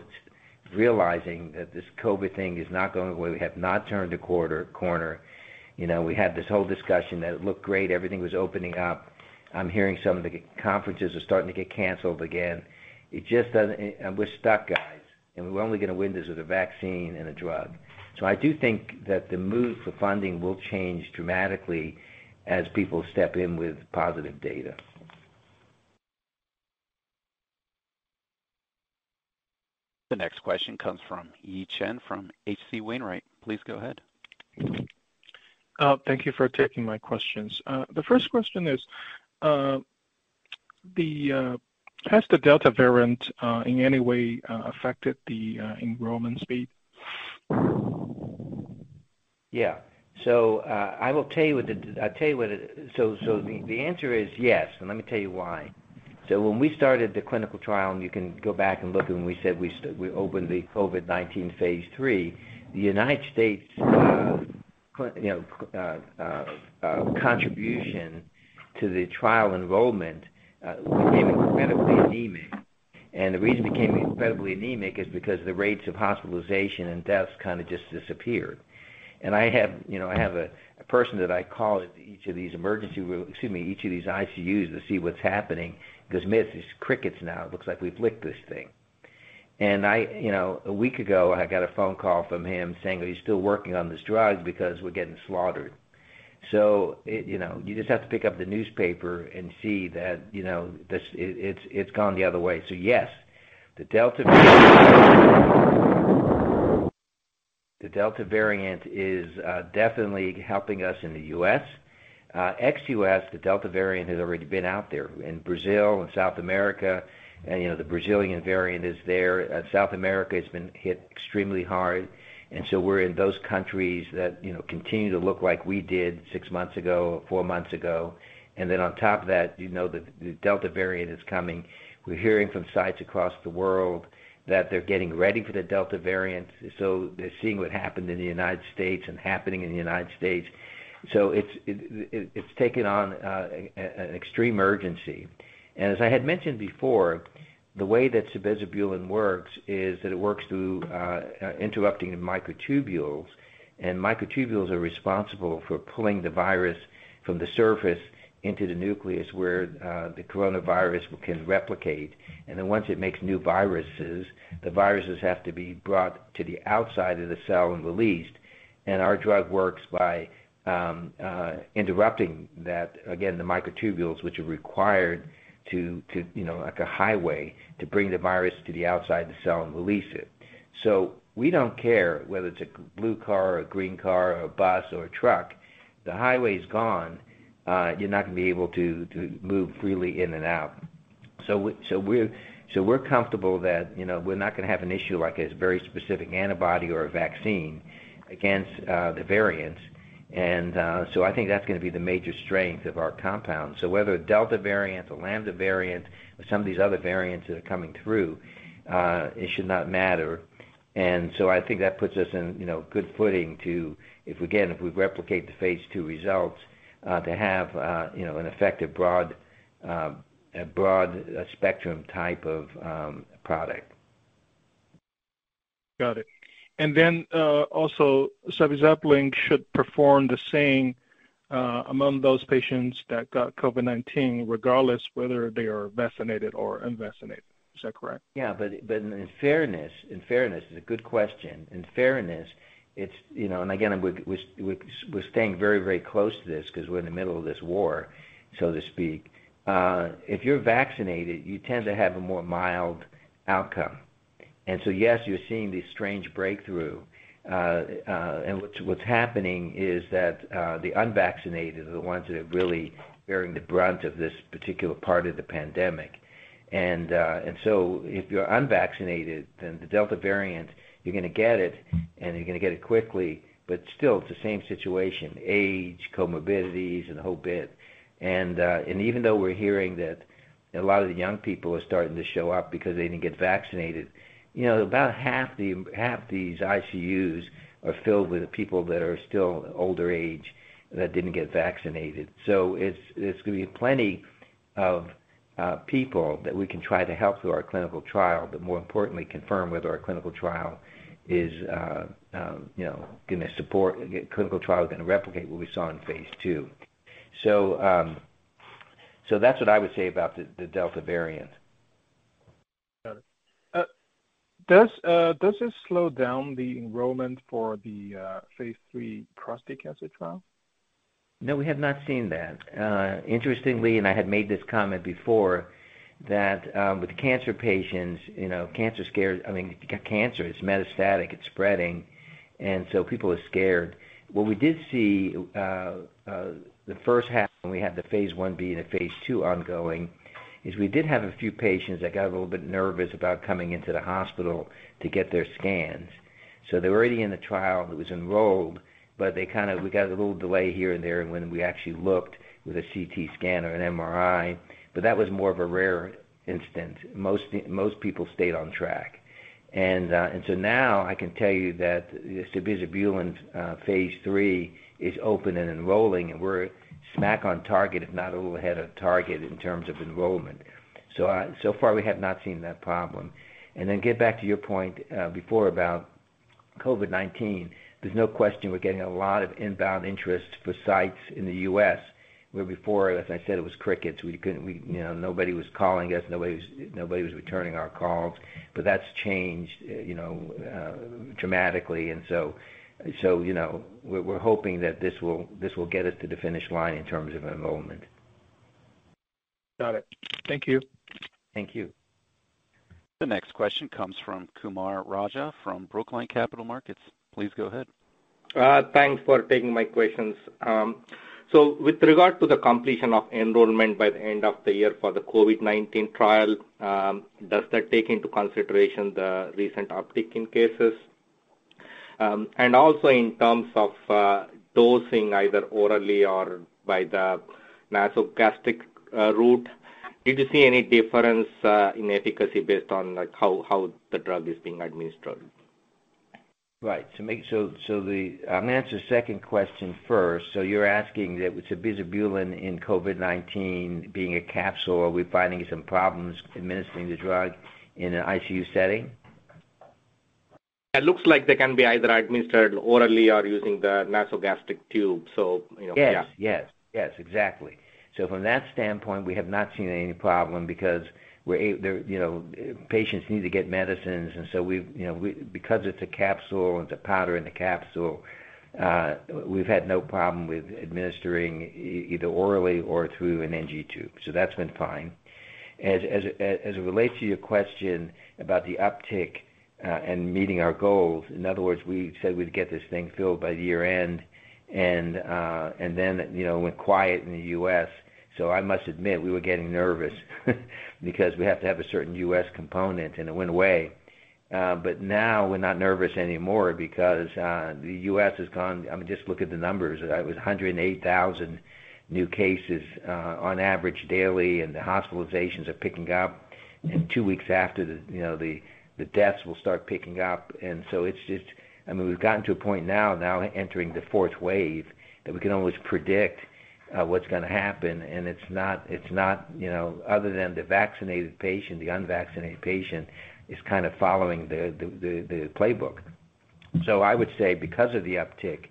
S3: realizing that this COVID thing is not going away. We have not turned a corner. We had this whole discussion that it looked great, everything was opening up. I'm hearing some of the conferences are starting to get canceled again. We're stuck, guys, and we're only going to win this with a vaccine and a drug. I do think that the mood for funding will change dramatically as people step in with positive data.
S1: The next question comes from Yi Chen from H.C. Wainwright. Please go ahead.
S6: Thank you for taking my questions. The first question is, has the Delta variant in any way affected the enrollment speed?
S3: The answer is yes, and let me tell you why. When we started the clinical trial, and you can go back and look, we said we opened the COVID-19 phase III. The U.S. contribution to the trial enrollment became incredibly anemic. The reason it became incredibly anemic is because the rates of hospitalization and deaths just disappeared. I have a person that I call at each of these ICU to see what's happening. He goes, "Mitt, it's crickets now. It looks like we've licked this thing." A week ago, I got a phone call from him saying that he's still working on this drug because we're getting slaughtered. You just have to pick up the newspaper and see that it's gone the other way. Yes, the Delta variant is definitely helping us in the U.S. Ex-U.S., the Delta variant has already been out there. In Brazil and South America, the Brazilian variant is there. South America has been hit extremely hard, we're in those countries that continue to look like we did six months ago, four months ago. On top of that, the Delta variant is coming. We're hearing from sites across the world that they're getting ready for the Delta variant. They're seeing what happened in the United States and happening in the United States. It's taken on an extreme urgency. As I had mentioned before, the way that sabizabulin works is that it works through interrupting microtubules. Microtubules are responsible for pulling the virus from the surface into the nucleus, where the coronavirus can replicate. Once it makes new viruses, the viruses have to be brought to the outside of the cell and released, and our drug works by interrupting that, again, the microtubules, which are required to, like a highway, to bring the virus to the outside of the cell and release it. We don't care whether it's a blue car or a green car or a bus or a truck. The highway's gone. You're not going to be able to move freely in and out. We're comfortable that we're not going to have an issue like a very specific antibody or a vaccine against the variants. I think that's going to be the major strength of our compound. Whether a Delta variant, a Lambda variant, or some of these other variants that are coming through, it should not matter. I think that puts us in good footing to, if, again, if we replicate the phase II results, to have an effective broad spectrum type of product.
S6: Got it. Sabizabulin should perform the same among those patients that got COVID-19, regardless whether they are vaccinated or unvaccinated. Is that correct?
S3: In fairness, it's a good question. In fairness, again, we're staying very close to this because we're in the middle of this war, so to speak. If you're vaccinated, you tend to have a more mild outcome. Yes, you're seeing this strange breakthrough. What's happening is that the unvaccinated are the ones that are really bearing the brunt of this particular part of the pandemic. If you're unvaccinated, the Delta variant, you're going to get it, and you're going to get it quickly. Still, it's the same situation, age, comorbidities, and the whole bit. Even though we're hearing that a lot of the young people are starting to show up because they didn't get vaccinated, about half these ICUs are filled with people that are still older age that didn't get vaccinated. It's going to be plenty of people that we can try to help through our clinical trial, but more importantly, confirm whether our clinical trial is going to replicate what we saw in phase II. That's what I would say about the Delta variant.
S6: Got it. Does this slow down the enrollment for the phase III prostate cancer trial?
S3: No, we have not seen that. Interestingly, and I had made this comment before, that with cancer patients, if you've got cancer, it's metastatic, it's spreading, people are scared. What we did see, the first half when we had the phase I-B and the phase II ongoing, is we did have a few patients that got a little bit nervous about coming into the hospital to get their scans. They were already in the trial and was enrolled, but we got a little delay here and there, and when we actually looked with a CT scan or an MRI. That was more of a rare instance. Most people stayed on track. Now I can tell you that the sabizabulin phase III is open and enrolling, and we're smack on target, if not a little ahead of target in terms of enrollment. Far, we have not seen that problem. Get back to your point before about COVID-19. There's no question we're getting a lot of inbound interest for sites in the U.S., where before, as I said, it was crickets. Nobody was calling us, nobody was returning our calls, but that's changed dramatically. We're hoping that this will get us to the finish line in terms of enrollment.
S6: Got it. Thank you.
S3: Thank you.
S1: The next question comes from Kumar Raja from Brookline Capital Markets. Please go ahead.
S7: Thanks for taking my questions. With regard to the completion of enrollment by the end of the year for the COVID-19 trial, does that take into consideration the recent uptick in cases? Also in terms of dosing either orally or by the nasogastric route, did you see any difference in efficacy based on how the drug is being administered?
S3: Right. I'm going to answer the second question first. You're asking that with sabizabulin in COVID-19 being a capsule, are we finding some problems administering the drug in an ICU setting?
S7: It looks like they can be either administered orally or using the nasogastric tube. Yeah.
S3: Yes. Exactly. From that standpoint, we have not seen any problem because patients need to get medicines. Because it's a capsule and it's a powder in a capsule, we've had no problem with administering either orally or through an NG tube. That's been fine. As it relates to your question about the uptick and meeting our goals, in other words, we said we'd get this thing filled by year-end, and then it went quiet in the U.S., so I must admit, we were getting nervous because we have to have a certain U.S. component, and it went away. Now we're not nervous anymore because the U.S. has gone I mean, just look at the numbers. It was 108,000 new cases on average daily. The hospitalizations are picking up. Two weeks after, the deaths will start picking up. It's just, I mean, we've gotten to a point now entering the fourth wave, that we can almost predict what's going to happen. Other than the vaccinated patient, the unvaccinated patient is kind of following the playbook. I would say because of the uptick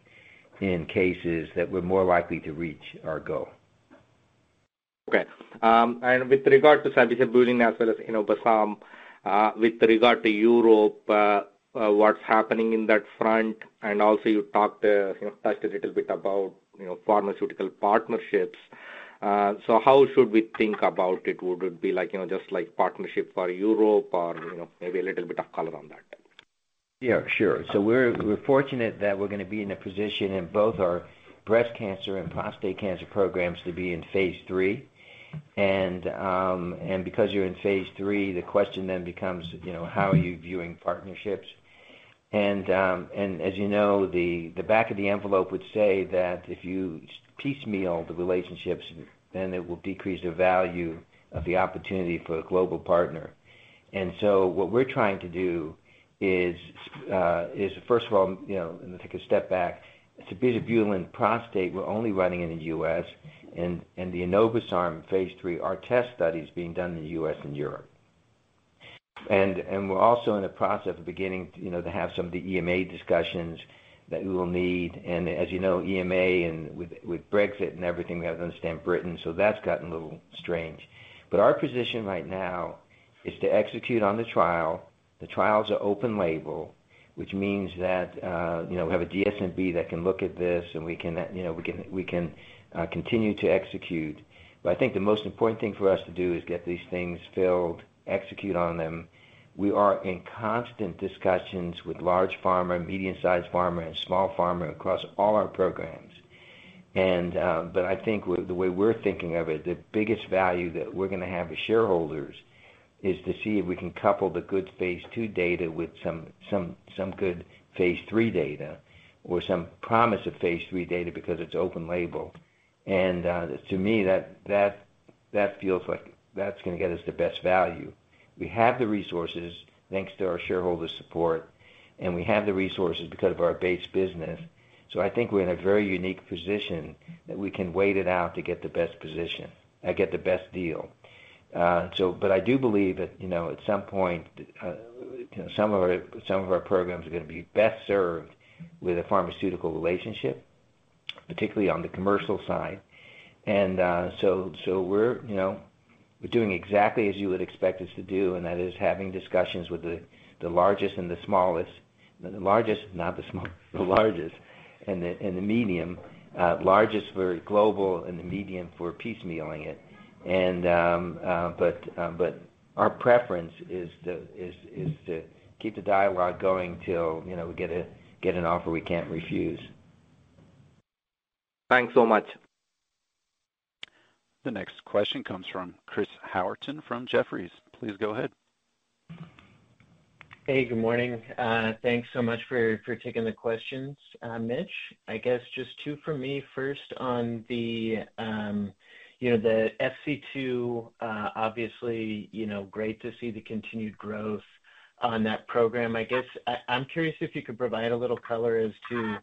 S3: in cases, that we're more likely to reach our goal.
S7: Okay. With regard to sabizabulin as well as enobosarm, with regard to Europe, what's happening in that front, and also you talked a little bit about pharmaceutical partnerships. How should we think about it? Would it be just partnership for Europe or maybe a little bit of color on that?
S3: Yeah, sure. We're fortunate that we're going to be in a position in both our breast cancer and prostate cancer programs to be in phase III. Because you're in phase III, the question then becomes, how are you viewing partnerships? As you know, the back of the envelope would say that if you piecemeal the relationships, then it will decrease the value of the opportunity for a global partner. What we're trying to do is, first of all, take a step back. Sabizabulin prostate, we're only running in the U.S., and the enobosarm phase III, ARTEST study's being done in the U.S. and Europe. We're also in the process of beginning to have some of the EMA discussions that we will need. As you know, EMA, and with Brexit and everything, we have to understand Britain, so that's gotten a little strange. Our position right now is to execute on the trial. The trials are open label. Which means that we have a DSMB that can look at this and we can continue to execute. I think the most important thing for us to do is get these things filled, execute on them. We are in constant discussions with large pharma, medium-sized pharma, and small pharma across all our programs. I think the way we're thinking of it, the biggest value that we're going to have as shareholders is to see if we can couple the good phase II data with some good phase III data, or some promise of phase III data, because it's open label. To me, that feels like that's going to get us the best value. We have the resources thanks to our shareholder support, and we have the resources because of our base business. I think we're in a very unique position that we can wait it out to get the best position, get the best deal. I do believe that at some point, some of our programs are going to be best served with a pharmaceutical relationship, particularly on the commercial side. We're doing exactly as you would expect us to do, and that is having discussions with the largest and the smallest. The largest, not the smallest, the largest and the medium. Largest for global and the medium for piecemealing it. Our preference is to keep the dialogue going till we get an offer we can't refuse.
S7: Thanks so much.
S1: The next question comes from Chris Howerton from Jefferies. Please go ahead.
S8: Hey, good morning. Thanks so much for taking the questions, Mitch. I guess just two for me. First on the FC2. Obviously, great to see the continued growth on that program. I guess I'm curious if you could provide a little color as to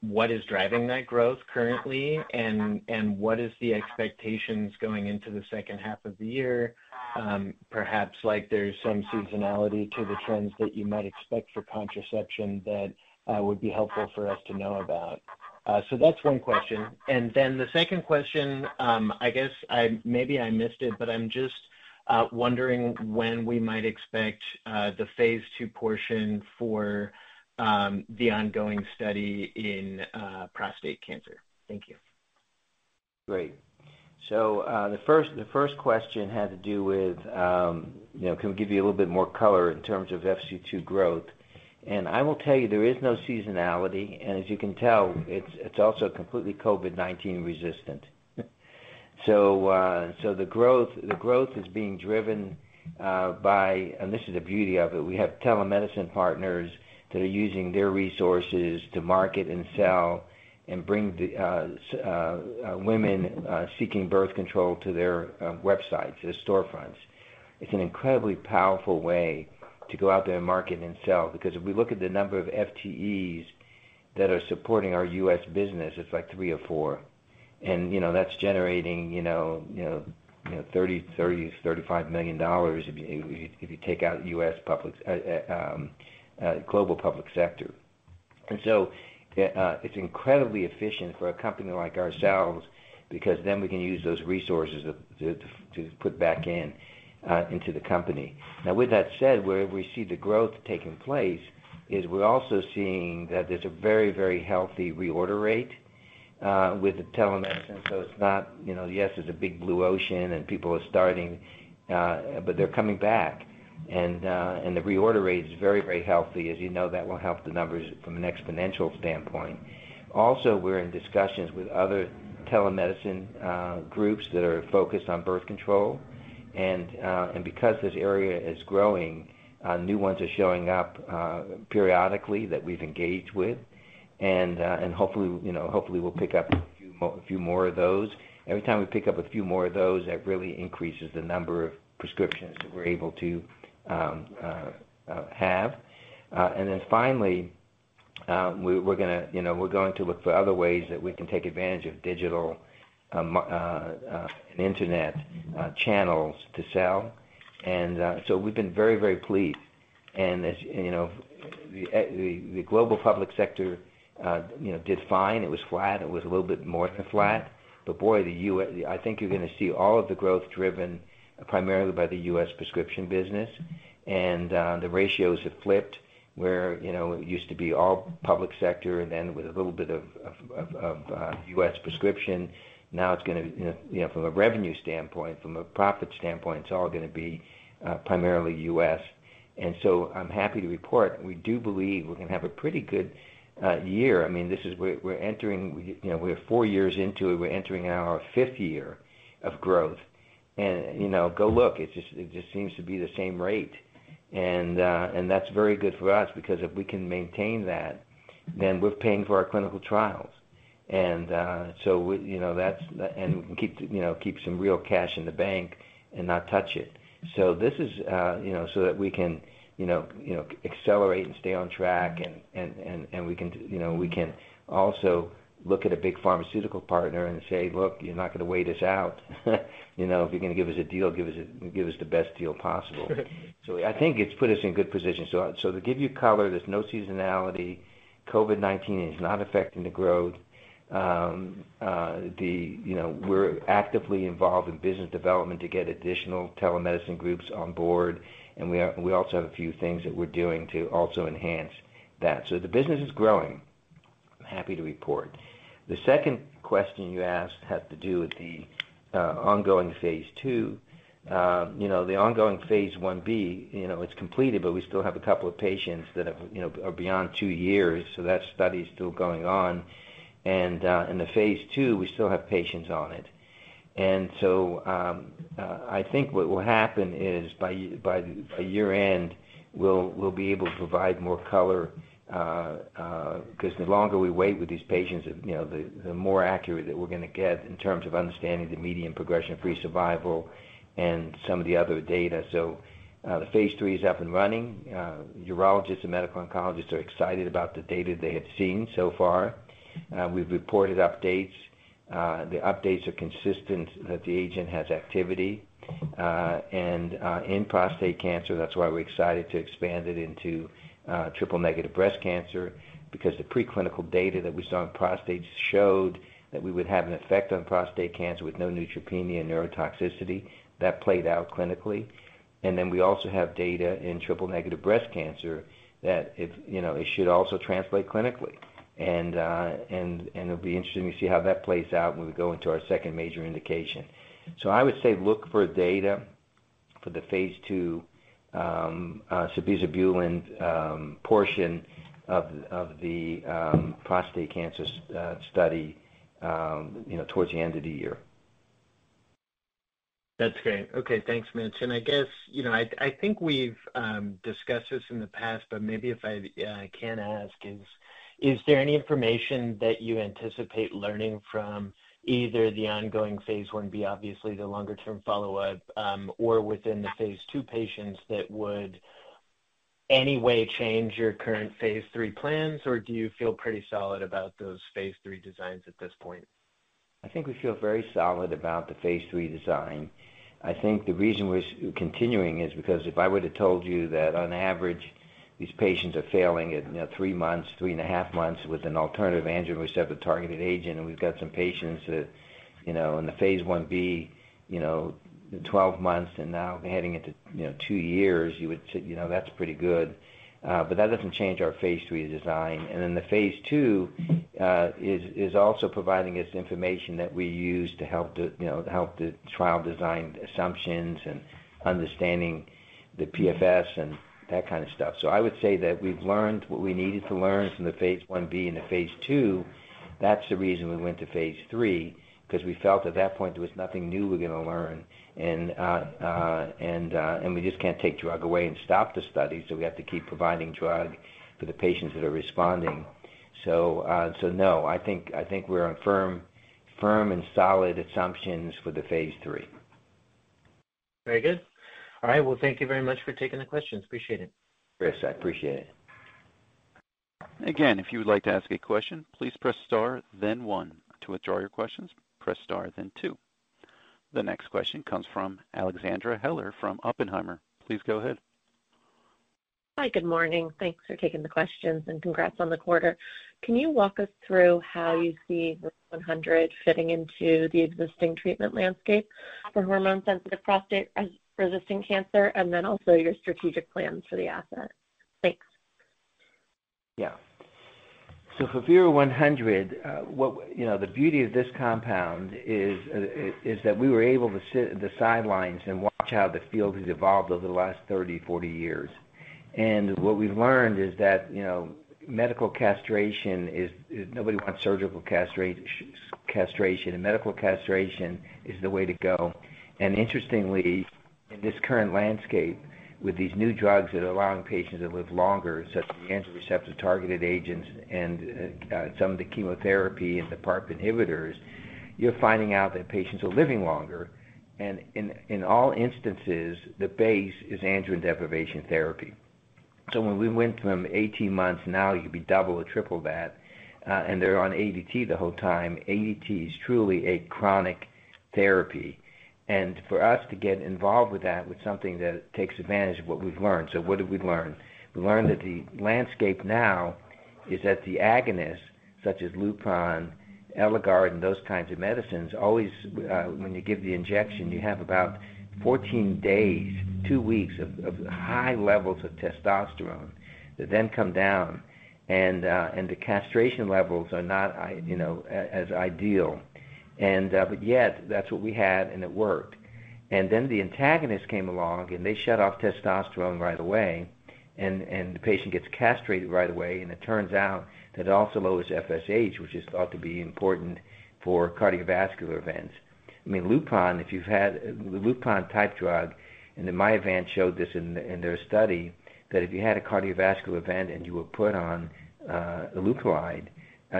S8: what is driving that growth currently, and what is the expectations going into the H2 of the year. Perhaps there's some seasonality to the trends that you might expect for contraception that would be helpful for us to know about. That's one question. The second question, I guess maybe I missed it, but I'm just wondering when we might expect the phase II portion for the ongoing study in prostate cancer. Thank you.
S3: Great. The first question had to do with, can we give you a little bit more color in terms of FC2 growth. I will tell you, there is no seasonality. As you can tell, it's also completely COVID-19 resistant. The growth is being driven by, and this is the beauty of it, we have telemedicine partners that are using their resources to market and sell and bring women seeking birth control to their websites, their storefronts. It's an incredibly powerful way to go out there and market and sell. Because if we look at the number of FTEs that are supporting our U.S. business, it's like three or four. That's generating $30 million-$35 million if you take out global public sector. It's incredibly efficient for a company like ourselves, because then we can use those resources to put back into the company. With that said, where we see the growth taking place is we're also seeing that there's a very healthy reorder rate with the telemedicine. It's not, yes, it's a big blue ocean and people are starting, but they're coming back. The reorder rate is very healthy. As you know, that will help the numbers from an exponential standpoint. Also, we're in discussions with other telemedicine groups that are focused on birth control. Because this area is growing, new ones are showing up periodically that we've engaged with. Hopefully we'll pick up a few more of those. Every time we pick up a few more of those, that really increases the number of prescriptions that we're able to have. Finally, we're going to look for other ways that we can take advantage of digital and internet channels to sell. We've been very pleased. The global public sector did fine. It was flat. It was a little bit more than flat. Boy, I think you're going to see all of the growth driven primarily by the U.S. prescription business. The ratios have flipped, where it used to be all public sector and then with a little bit of U.S. prescription. Now from a revenue standpoint, from a profit standpoint, it's all going to be primarily U.S. I'm happy to report, we do believe we're going to have a pretty good year. We're four years into it. We're entering our fifth year of growth. Go look, it just seems to be the same rate. That's very good for us because if we can maintain that, then we're paying for our clinical trials. We can keep some real cash in the bank and not touch it, so that we can accelerate and stay on track and we can also look at a big pharmaceutical partner and say, "Look, you're not going to wait us out." If you're going to give us a deal, give us the best deal possible. I think it's put us in good position. To give you color, there's no seasonality. COVID-19 is not affecting the growth. We're actively involved in business development to get additional telemedicine groups on board, and we also have a few things that we're doing to also enhance that. The business is growing. I'm happy to report. The second question you asked had to do with the ongoing phase II. The ongoing phase I-B, it's completed. We still have a couple of patients that are beyond two years. That study is still going on. In the phase II, we still have patients on it. I think what will happen is by year-end, we'll be able to provide more color, because the longer we wait with these patients, the more accurate that we're going to get in terms of understanding the median progression-free survival and some of the other data. The phase III is up and running. Urologists and medical oncologists are excited about the data they have seen so far. We've reported updates. The updates are consistent that the agent has activity in prostate cancer. That's why we're excited to expand it into triple-negative breast cancer, because the pre-clinical data that we saw in prostate showed that we would have an effect on prostate cancer with no neutropenia neurotoxicity. That played out clinically. Then we also have data in triple-negative breast cancer that it should also translate clinically. It'll be interesting to see how that plays out when we go into our second major indication. I would say look for data for the phase II sabizabulin portion of the prostate cancer study towards the end of the year.
S8: That's great. Okay, thanks, Mitch. I guess, I think we've discussed this in the past, but maybe if I can ask is there any information that you anticipate learning from either the ongoing phase I-B, obviously the longer term follow-up, or within the phase II patients that would any way change your current phase III plans, or do you feel pretty solid about those phase III designs at this point?
S3: I think we feel very solid about the phase III design. I think the reason we're continuing is because if I would've told you that on average, these patients are failing at three months, three and a half months with an alternative androgen receptor targeted agent, and we've got some patients that in the phase I-B 12 months and now heading into two years, you would say that's pretty good. That doesn't change our phase III design. Then the phase II is also providing us information that we use to help the trial design assumptions and understanding the PFS and that kind of stuff. I would say that we've learned what we needed to learn from the phase I-B and the phase II. That's the reason we went to phase III because we felt at that point there was nothing new we were going to learn, and we just can't take drug away and stop the study, so we have to keep providing drug for the patients that are responding. No, I think we're on firm and solid assumptions for the phase III.
S8: Very good. All right. Thank you very much for taking the questions. Appreciate it.
S3: Chris, I appreciate it.
S1: Again, if you would like to ask a question, please press star then one. To withdraw your questions, press star then two. The next question comes from Alexandra Heller from Oppenheimer. Please go ahead.
S9: Hi. Good morning. Thanks for taking the questions and congrats on the quarter. Can you walk us through how you see VERU-100 fitting into the existing treatment landscape for hormone sensitive prostate cancer, and then also your strategic plans for the asset? Thanks.
S3: For VERU-100, the beauty of this compound is that we were able to sit at the sidelines and watch how the field has evolved over the last 30, 40 years. What we've learned is that nobody wants surgical castration. Medical castration is the way to go. Interestingly, in this current landscape, with these new drugs that are allowing patients to live longer, such as the androgen receptor-targeted agents and some of the chemotherapy and the PARP inhibitors, you're finding out that patients are living longer. In all instances, the base is androgen deprivation therapy. When we went from 18 months, now you could be double or triple that, and they're on ADT the whole time, ADT is truly a chronic therapy. For us to get involved with that, with something that takes advantage of what we've learned. What have we learned? We learned that the landscape now is at the agonist, such as LUPRON, ELIGARD, and those kinds of medicines, always when you give the injection, you have about 14 days, two weeks of high levels of testosterone that then come down, and the castration levels are not as ideal. Yet, that's what we had, and it worked. Then the antagonist came along, and they shut off testosterone right away, and the patient gets castrated right away. It turns out that it also lowers FSH, which is thought to be important for cardiovascular events. LUPRON, if you've had LUPRON type drug, and in my event showed this in their study, that if you had a cardiovascular event and you were put on leuprolide,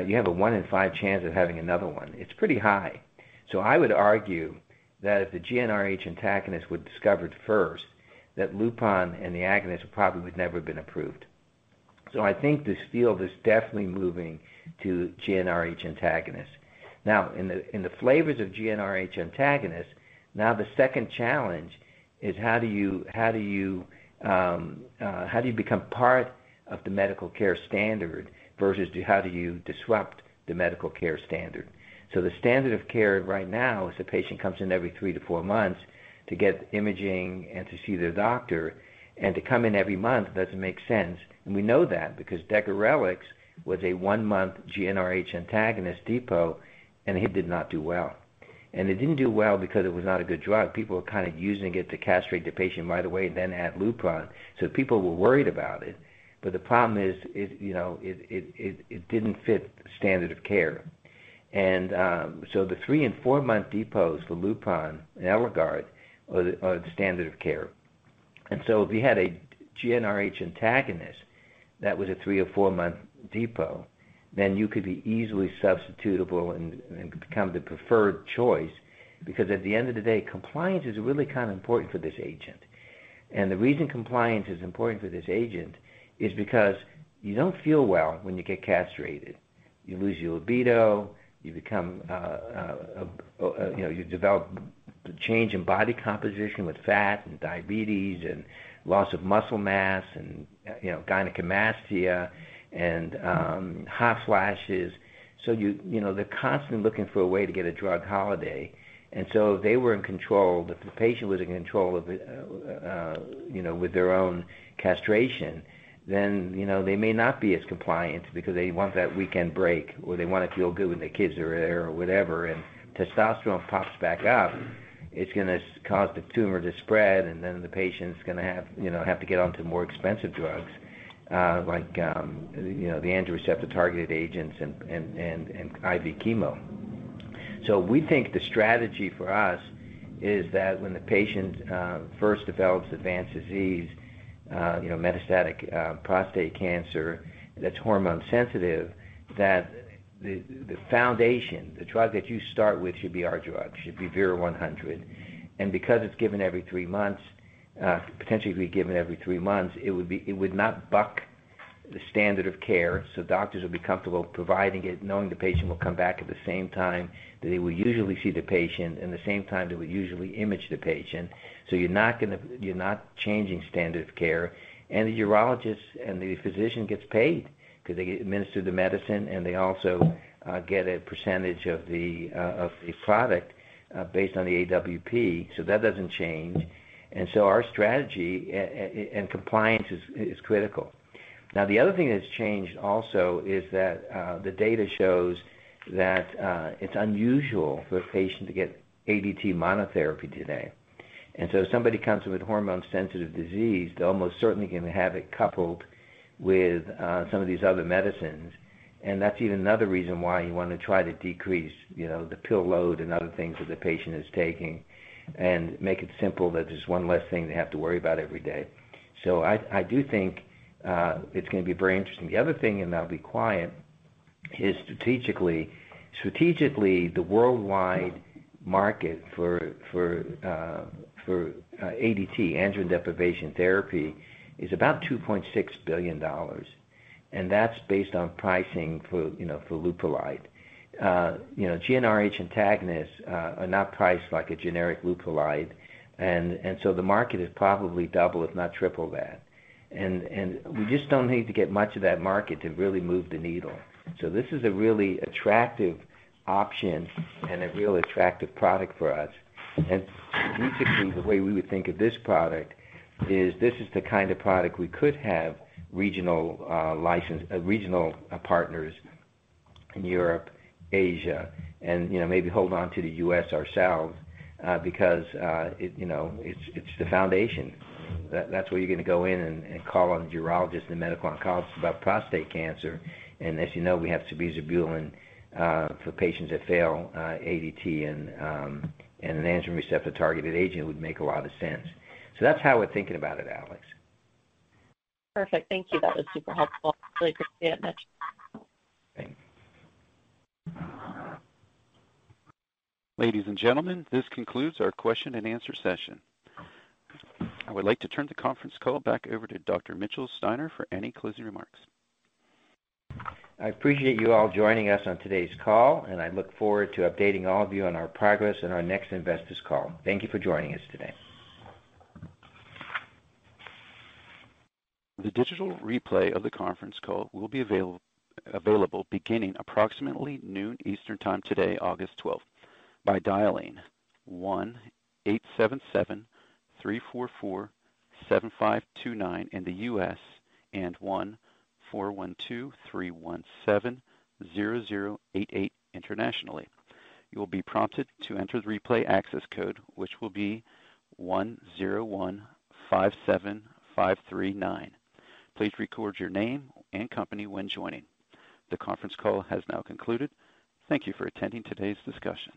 S3: you have a one in five chance of having another one. It's pretty high. I would argue that if the GnRH antagonist was discovered first, that Lupron and the agonist probably would never have been approved. I think this field is definitely moving to GnRH antagonists. In the flavors of GnRH antagonists, now the second challenge is how do you become part of the medical care standard versus how do you disrupt the medical care standard. The standard of care right now is the patient comes in every three to four months to get imaging and to see their doctor, and to come in every month doesn't make sense. We know that because degarelix was a one-month GnRH antagonist depo, and it did not do well. It didn't do well because it was not a good drug. People were kind of using it to castrate the patient right away then add Lupron. People were worried about it, the problem is it didn't fit the standard of care. The three and four-month depots for LUPRON and ELIGARD are the standard of care. If you had a GnRH antagonist that was a three or four-month depot, you could be easily substitutable and become the preferred choice. At the end of the day, compliance is really kind of important for this agent. The reason compliance is important for this agent is because you don't feel well when you get castrated. You lose your libido, you develop change in body composition with fat and diabetes and loss of muscle mass and gynecomastia and hot flashes. They're constantly looking for a way to get a drug holiday. If they were in control, if the patient was in control with their own castration, then they may not be as compliant because they want that weekend break, or they want to feel good when their kids are there or whatever. Testosterone pops back up, it's going to cause the tumor to spread, and then the patient's going to have to get onto more expensive drugs like the androgen receptor-targeted agents and IV chemo. We think the strategy for us is that when the patient first develops advanced disease, metastatic prostate cancer that's hormone sensitive, that the foundation, the drug that you start with should be our drug, should be VERU-100. Because it's given every three months, potentially could be given every three months, it would not buck the standard of care, doctors would be comfortable providing it, knowing the patient will come back at the same time that they would usually see the patient and the same time they would usually image the patient. You're not changing standard of care. The urologist and the physician gets paid because they administer the medicine, and they also get a percentage of the product based on the AWP, that doesn't change. Our strategy and compliance is critical. Now, the other thing that's changed also is that the data shows that it's unusual for a patient to get ADT monotherapy today. If somebody comes in with hormone-sensitive disease, they almost certainly can have it coupled with some of these other medicines. That's yet another reason why you want to try to decrease the pill load and other things that the patient is taking and make it simple that there's one less thing they have to worry about every day. I do think it's going to be very interesting. The other thing, and then I'll be quiet, is strategically, the worldwide market for ADT, androgen deprivation therapy, is about $2.6 billion, and that's based on pricing for leuprolide. GnRH antagonists are not priced like a generic leuprolide, and so the market is probably double, if not triple that. We just don't need to get much of that market to really move the needle. This is a really attractive option and a real attractive product for us. Basically, the way we would think of this product is this is the kind of product we could have regional partners in Europe, Asia, and maybe hold onto the U.S. ourselves, because it's the foundation. That's where you're going to go in and call on the urologist and medical oncologist about prostate cancer. As you know, we have sabizabulin for patients that fail ADT, and an androgen receptor-targeted agent would make a lot of sense. That's how we're thinking about it, Alex.
S9: Perfect. Thank you. That was super helpful. Really appreciate it, Mitch.
S3: Thanks.
S1: Ladies and gentlemen, this concludes our question and answer session. I would like to turn the conference call back over to Dr. Mitchell Steiner for any closing remarks.
S3: I appreciate you all joining us on today's call, and I look forward to updating all of you on our progress in our next investors call. Thank you for joining us today.
S1: The digital replay of the conference call will be available beginning approximately noon Eastern Time today, August 12th, by dialing 1-877-344-7529 in the U.S. and 1-412-317-0088 internationally. You will be prompted to enter the replay access code, which will be 10157539. Please record your name and company when joining. The conference call has now concluded. Thank you for attending today's discussion.